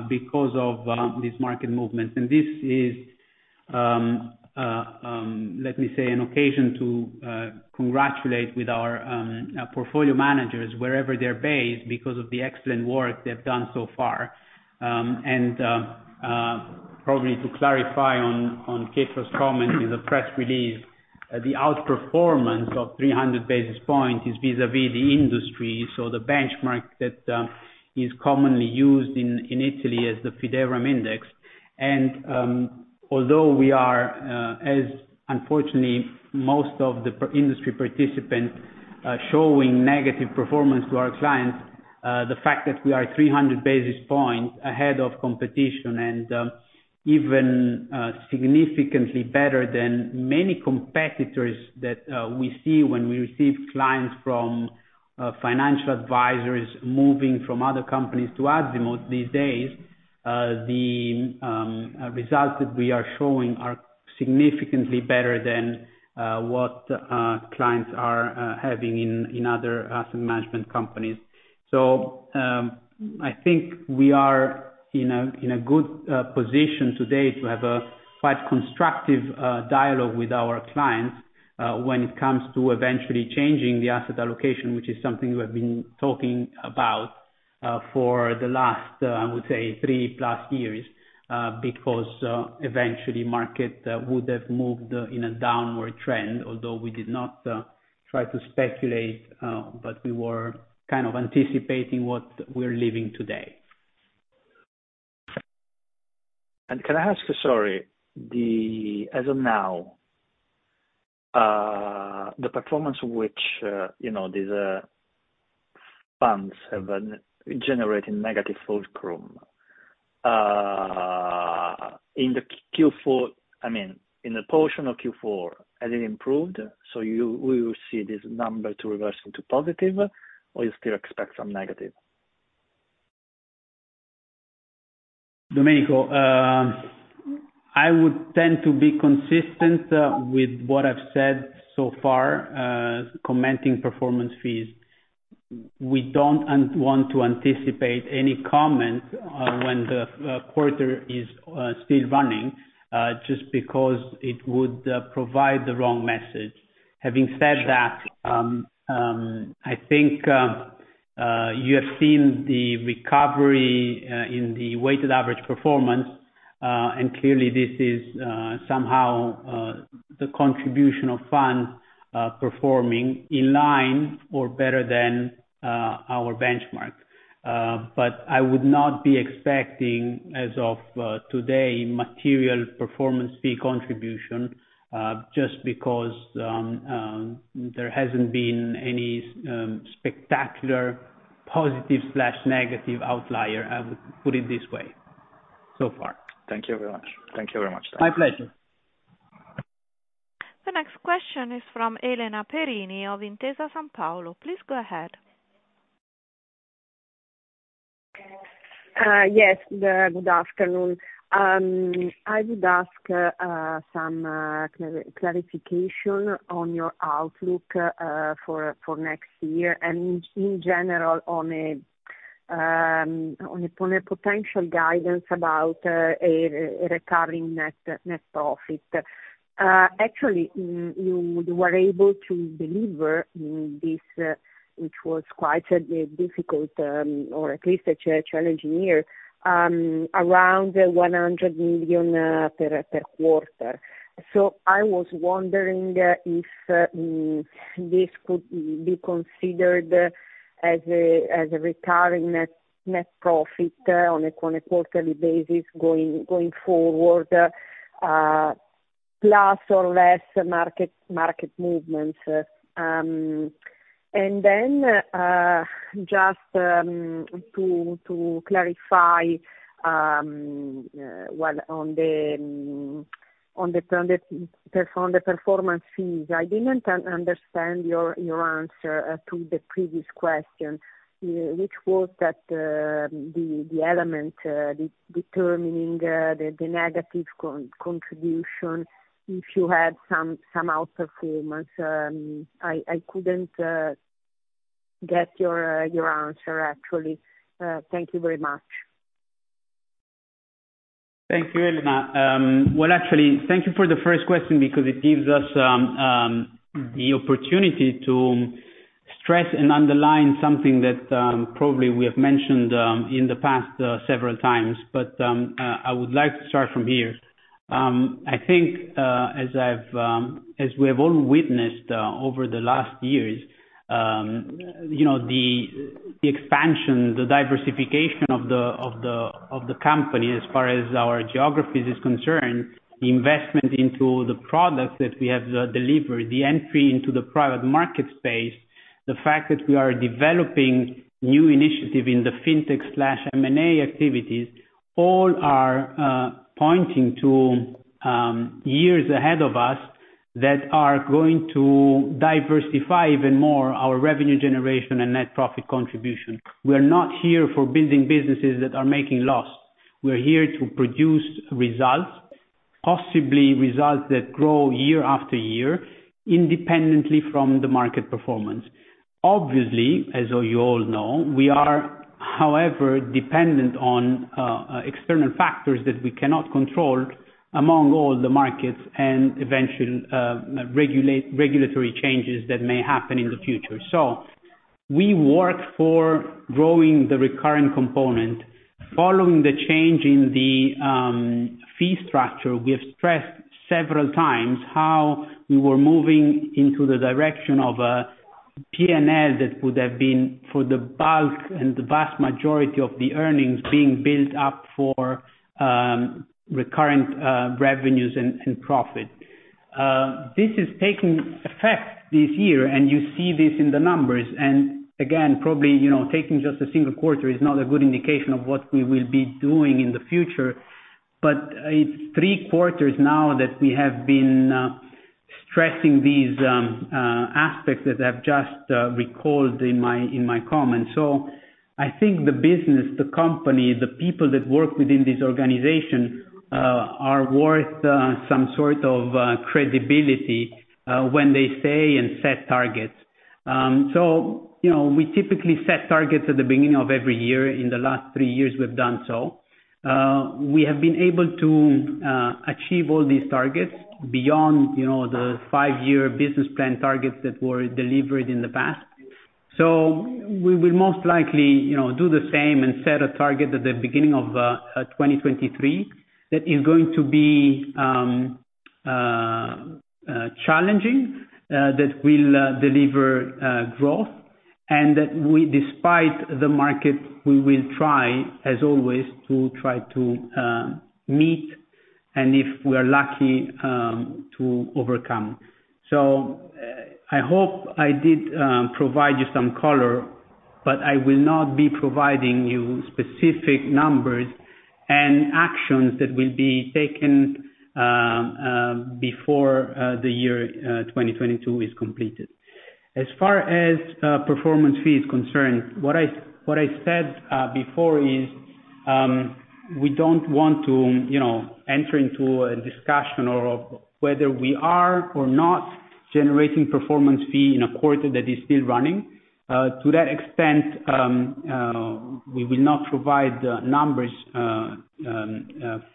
because of this market movement. This is, let me say, an occasion to congratulate with our portfolio managers wherever they're based because of the excellent work they've done so far. Probably to clarify on Pietro's comment in the press release, the outperformance of 300 basis points is vis-à-vis the industry. The benchmark that is commonly used in Italy is the Fideuram index. Although we are, as unfortunately most of the industry participants, showing negative performance to our clients, the fact that we are 300 basis points ahead of competition and even significantly better than many competitors that we see when we receive clients from financial advisors moving from other companies to Azimut these days, the results that we are showing are significantly better than what clients are having in other asset management companies. I think we are in a good position today to have a quite constructive dialogue with our clients when it comes to eventually changing the asset allocation, which is something we have been talking about for the last I would say three plus years because eventually market would have moved in a downward trend, although we did not try to speculate but we were kind of anticipating what we're living today. Can I ask, sorry, as of now, the performance which, you know, these funds have been generating negative fulcrum in the Q4, I mean, in the portion of Q4, has it improved? We will see this number to reverse into positive, or you still expect some negative? Domenico, I would tend to be consistent with what I've said so far, commenting performance fees. We don't want to anticipate any comment when the quarter is still running, just because it would provide the wrong message. Having said that. Sure. I think you have seen the recovery in the weighted average performance, and clearly this is somehow the contribution of funds performing in line or better than our benchmark. I would not be expecting, as of today, material performance fee contribution, just because there hasn't been any spectacular positive or negative outlier. I would put it this way so far. Thank you very much. My pleasure. The next question is from Elena Perini of Intesa Sanpaolo. Please go ahead. Yes, good afternoon. I would ask some clarification on your outlook for next year and in general on a On a potential guidance about a recurring net profit. Actually, you were able to deliver this, which was quite a difficult or at least a challenging year, around 100 million per quarter. I was wondering if this could be considered as a recurring net profit on a quarterly basis going forward, plus or minus market movements. Just to clarify, well, on the performance fees, I didn't understand your answer to the previous question, which was that the element determining the negative contribution if you had some outperformance. I couldn't get your answer, actually. Thank you very much. Thank you, Elena. Well, actually, thank you for the first question because it gives us the opportunity to stress and underline something that probably we have mentioned in the past several times. I would like to start from here. I think as we have all witnessed over the last years you know the expansion the diversification of the company as far as our geographies is concerned the investment into the products that we have delivered the entry into the private market space the fact that we are developing new initiative in the FinTech/M&A activities all are pointing to years ahead of us that are going to diversify even more our revenue generation and net profit contribution. We are not here for building businesses that are making loss. We are here to produce results, possibly results that grow year after year, independently from the market performance. Obviously, as you all know, we are, however, dependent on external factors that we cannot control among all the markets and eventual regulatory changes that may happen in the future. We work for growing the recurring component. Following the change in the fee structure, we have stressed several times how we were moving into the direction of P&L that would have been for the bulk and the vast majority of the earnings being built up for recurring revenues and profit. This is taking effect this year, and you see this in the numbers. Again, probably, you know, taking just a single quarter is not a good indication of what we will be doing in the future. It's three quarters now that we have been stressing these aspects that I've just recalled in my comments. I think the business, the company, the people that work within this organization are worth some sort of credibility when they say and set targets. You know, we typically set targets at the beginning of every year. In the last three years, we've done so. We have been able to achieve all these targets beyond, you know, the five-year business plan targets that were delivered in the past. We will most likely, you know, do the same and set a target at the beginning of 2023 that is going to be challenging that will deliver growth. That we, despite the market, we will try, as always, to meet, and if we are lucky, to overcome. I hope I did provide you some color, but I will not be providing you specific numbers and actions that will be taken before the year 2022 is completed. As far as performance fee is concerned, what I said before is we don't want to, you know, enter into a discussion of whether we are or not generating performance fee in a quarter that is still running. To that extent, we will not provide the numbers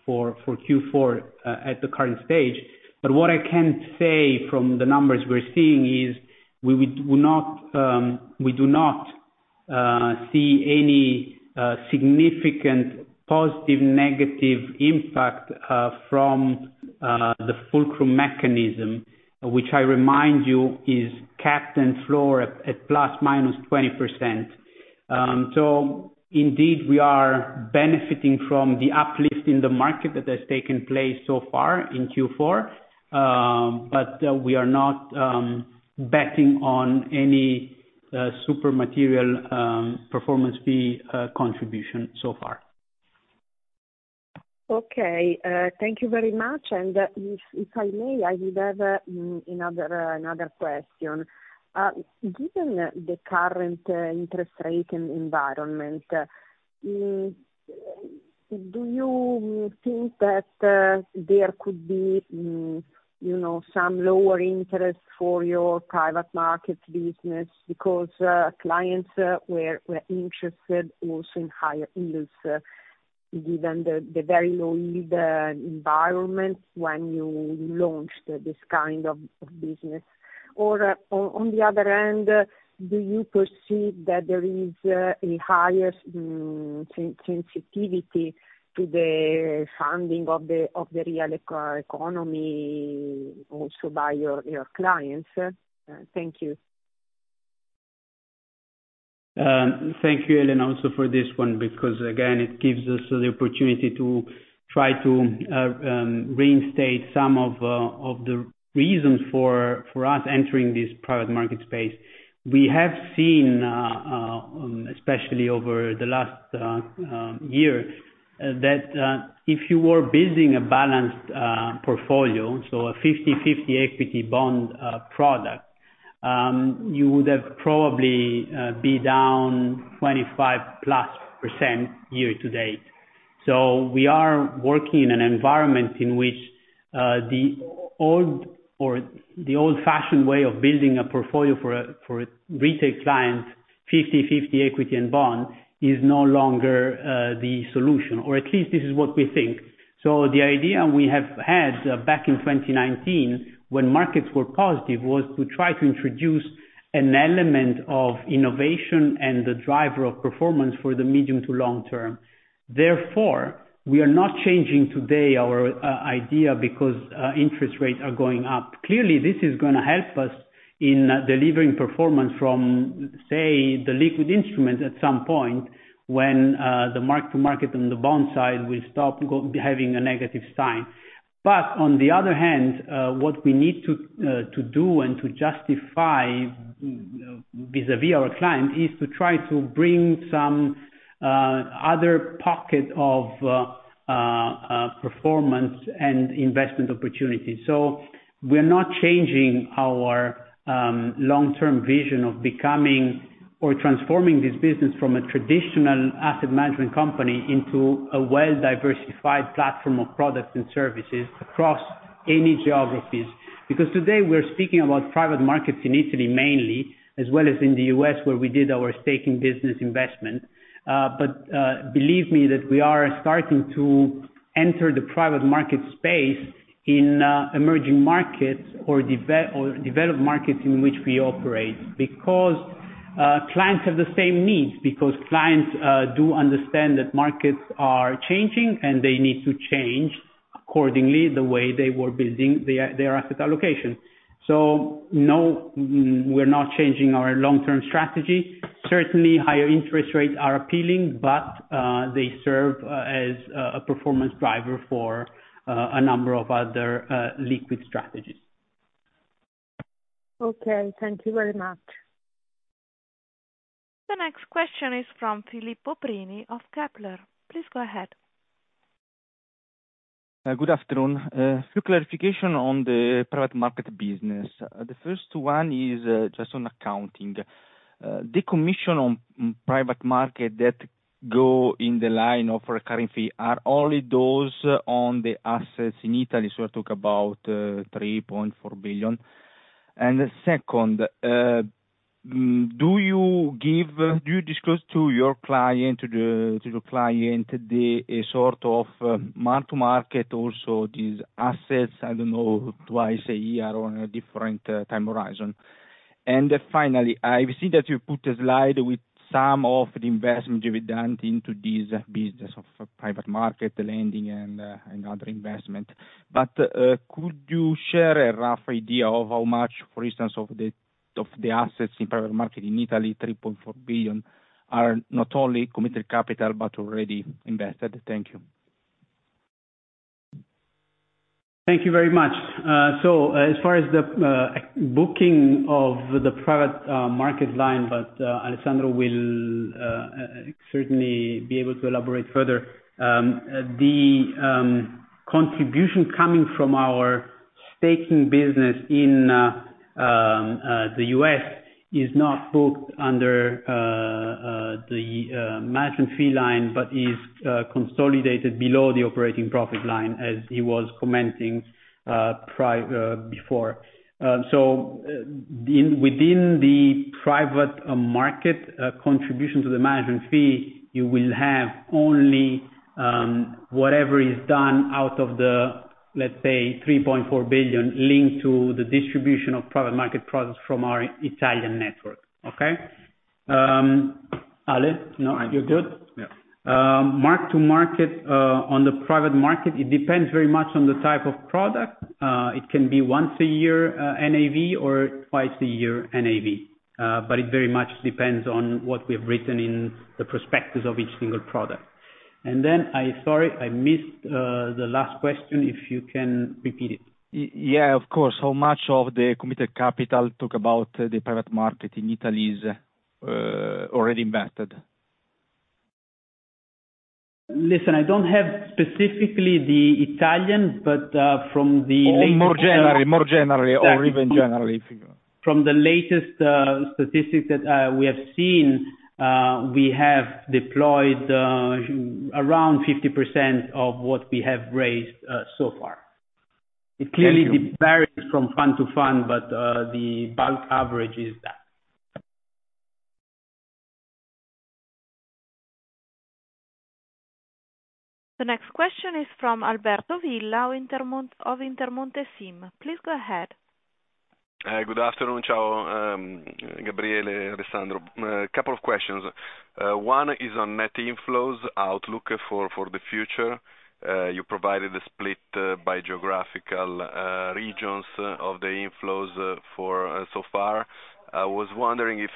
for Q4 at the current stage. What I can say from the numbers we're seeing is we do not see any significant positive or negative impact from the fulcrum mechanism, which I remind you is capped and floored at ±20%. So indeed, we are benefiting from the uplift in the market that has taken place so far in Q4, but we are not betting on any super material performance fee contribution so far. Okay. Thank you very much. If I may, I would have another question. Given the current interest rate and environment, do you think that there could be, you know, some lower interest for your private market business because clients were interested also in higher yields, given the very low yield environment when you launched this kind of business? Or on the other hand, do you perceive that there is a higher sensitivity to the funding of the real economy also by your clients? Thank you. Thank you, Elena, also for this one, because again, it gives us the opportunity to try to reinstate some of the reasons for us entering this private market space. We have seen especially over the last year that if you were building a balanced portfolio, so a 50/50 equity bond product, you would have probably be down 25%+ year to date. We are working in an environment in which the old-fashioned way of building a portfolio for a retail client, 50/50 equity and bond, is no longer the solution, or at least this is what we think. The idea we have had back in 2019 when markets were positive was to try to introduce an element of innovation and the driver of performance for the medium to long term. Therefore, we are not changing today our idea because interest rates are going up. Clearly, this is gonna help us in delivering performance from, say, the liquid instrument at some point when the mark-to-market on the bond side will stop having a negative sign. On the other hand, what we need to do and to justify vis-a-vis our client is to try to bring some other pocket of performance and investment opportunities. We're not changing our long-term vision of becoming or transforming this business from a traditional asset management company into a well-diversified platform of products and services across any geographies. Because today we're speaking about private markets in Italy mainly, as well as in the U.S. where we did our staking business investment. Believe me that we are starting to enter the private market space in emerging markets or developed markets in which we operate because clients have the same needs, because clients do understand that markets are changing and they need to change accordingly the way they were building their asset allocation. No, we're not changing our long-term strategy. Certainly, higher interest rates are appealing, but they serve as a performance driver for a number of other liquid strategies. Okay. Thank you very much. The next question is from Filippo Prini of Kepler. Please go ahead. Good afternoon. For clarification on the private market business, the first one is just on accounting. The commission on private market that go in the line of recurring fee are only those on the assets in Italy, so I talk about 3.4 billion. Second, do you disclose to your client, to the client the sort of mark to market also these assets, I don't know, twice a year or on a different time horizon? Finally, I see that you put a slide with some of the investment dividend into this business of private market lending and other investment. Could you share a rough idea of how much, for instance, of the assets in private market in Italy, 3.4 billion are not only committed capital but already invested? Thank you. Thank you very much. As far as the booking of the private market line, Alessandro will certainly be able to elaborate further. The contribution coming from our staking business in the US is not booked under the management fee line, but is consolidated below the operating profit line as he was commenting before. Within the private market contribution to the management fee, you will have only whatever is done out of the, let's say, 3.4 billion linked to the distribution of private market products from our Italian network. Okay? Ale, no, you're good? Yeah. Mark to market on the private market, it depends very much on the type of product. It can be once a year NAV or twice a year NAV. But it very much depends on what we have written in the prospectus of each single product. Sorry, I missed the last question, if you can repeat it. Yeah, of course. How much of the committed capital to the private market in Italy is already invested? Listen, I don't have specifically the Italian, but from the latest. More generally or even generally. From the latest statistics that we have seen, we have deployed around 50% of what we have raised so far. Thank you. It clearly varies from fund to fund, but, the bulk average is that. The next question is from Alberto Villa of Intermonte SIM. Please go ahead. Good afternoon, Ciao, Gabriele, Alessandro. Couple of questions. One is on net inflows outlook for the future. You provided a split by geographical regions of the inflows for so far. I was wondering if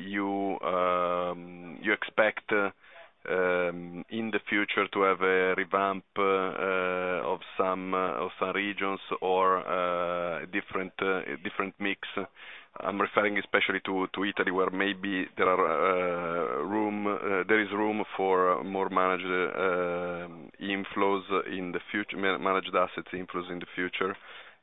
you expect in the future to have a revamp of some regions or different mix. I'm referring especially to Italy, where there is room for more managed assets inflows in the future.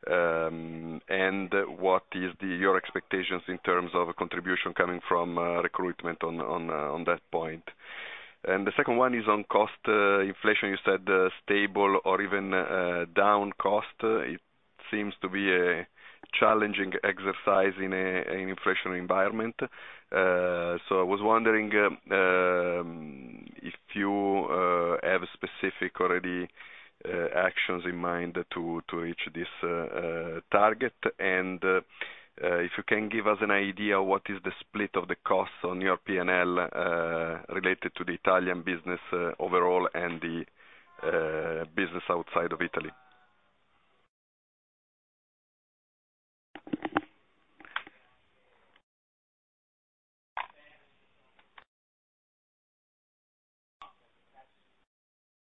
And what is your expectations in terms of contribution coming from recruitment on that point? And the second one is on cost inflation. You said stable or even down cost. It seems to be a challenging exercise in an inflation environment. I was wondering if you have specific already actions in mind to reach this target. If you can give us an idea, what is the split of the costs on your P&L related to the Italian business overall and the business outside of Italy?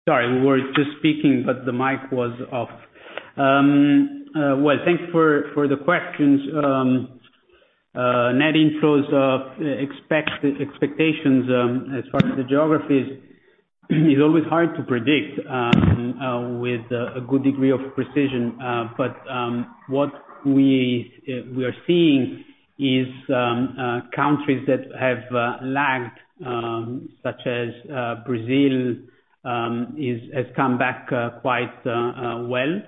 Sorry, we were just speaking, but the mic was off. Well, thanks for the questions. Net inflows expectations as far as the geographies, it's always hard to predict with a good degree of precision. What we are seeing is countries that have lagged such as Brazil has come back quite well.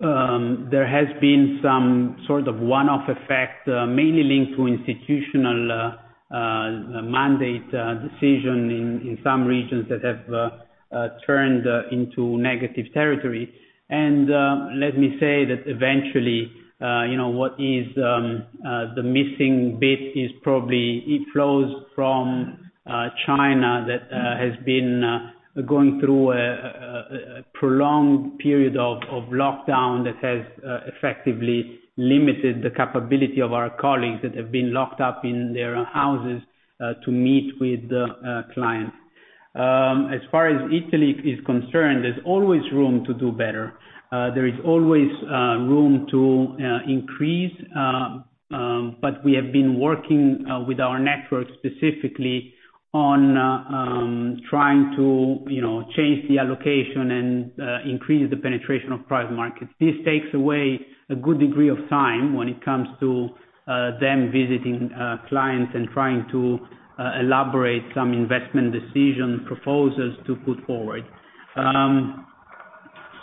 There has been some sort of one-off effect mainly linked to institutional mandate decision in some regions that have turned into negative territory. Let me say that eventually, you know, what is the missing bit is probably inflows from China that has been going through a prolonged period of lockdown that has effectively limited the capability of our colleagues that have been locked up in their houses to meet with the clients. As far as Italy is concerned, there's always room to do better. There is always room to increase, but we have been working with our network specifically on trying to, you know, change the allocation and increase the penetration of private markets. This takes away a good degree of time when it comes to them visiting clients and trying to elaborate some investment decision proposals to put forward.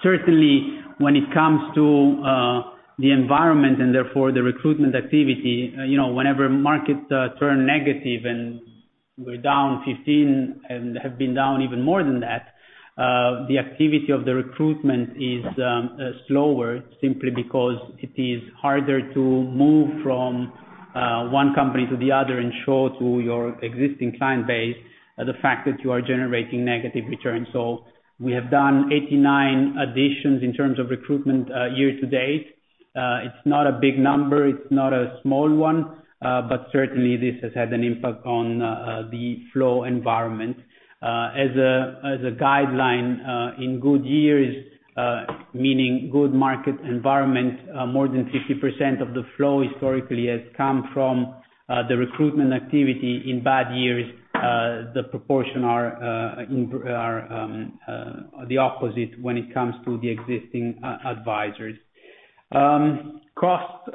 Certainly when it comes to the environment and therefore the recruitment activity, you know, whenever markets turn negative and we're down 15 and have been down even more than that, the activity of the recruitment is slower simply because it is harder to move from one company to the other and show to your existing client base the fact that you are generating negative returns. We have done 89 additions in terms of recruitment year to date. It's not a big number, it's not a small one, but certainly this has had an impact on the flow environment. As a guideline, in good years, meaning good market environment, more than 50% of the flow historically has come from the recruitment activity. In bad years, the proportion are the opposite when it comes to the existing advisors. Costs,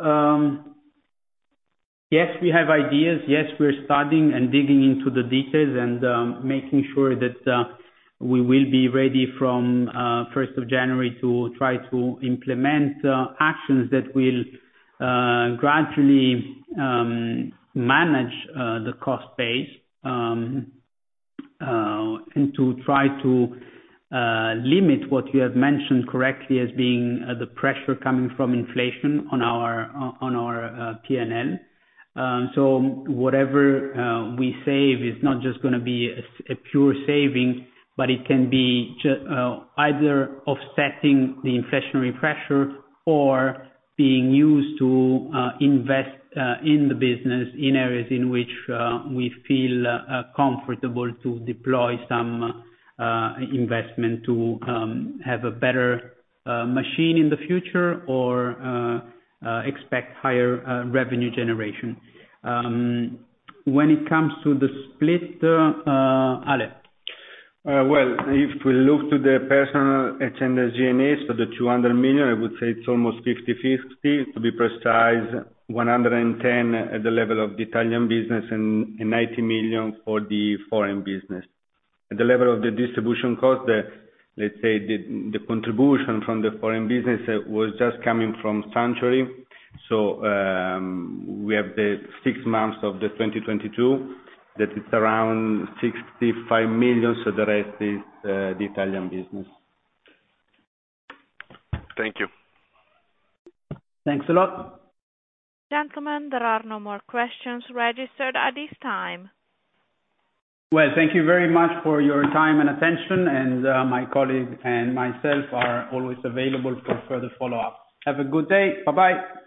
yes, we have ideas. Yes, we're studying and digging into the details and making sure that we will be ready from first of January to try to implement actions that will gradually manage the cost base. To try to limit what you have mentioned correctly as being the pressure coming from inflation on our P&L. Whatever we save is not just gonna be a pure saving, but it can be either offsetting the inflationary pressure or being used to invest in the business in areas in which we feel comfortable to deploy some investment to have a better machine in the future or expect higher revenue generation. When it comes to the split, Ale? Well, if we look to the personnel and G&A, the 200 million, I would say it's almost 50-50. To be precise, 110 million at the level of the Italian business and 90 million for the foreign business. At the level of the distribution cost, let's say, the contribution from the foreign business was just coming from Sanctuary. We have the six months of 2022, that is around 65 million, so the rest is the Italian business. Thank you. Thanks a lot. Gentlemen, there are no more questions registered at this time. Well, thank you very much for your time and attention, and my colleague and myself are always available for further follow-up. Have a good day. Bye-bye.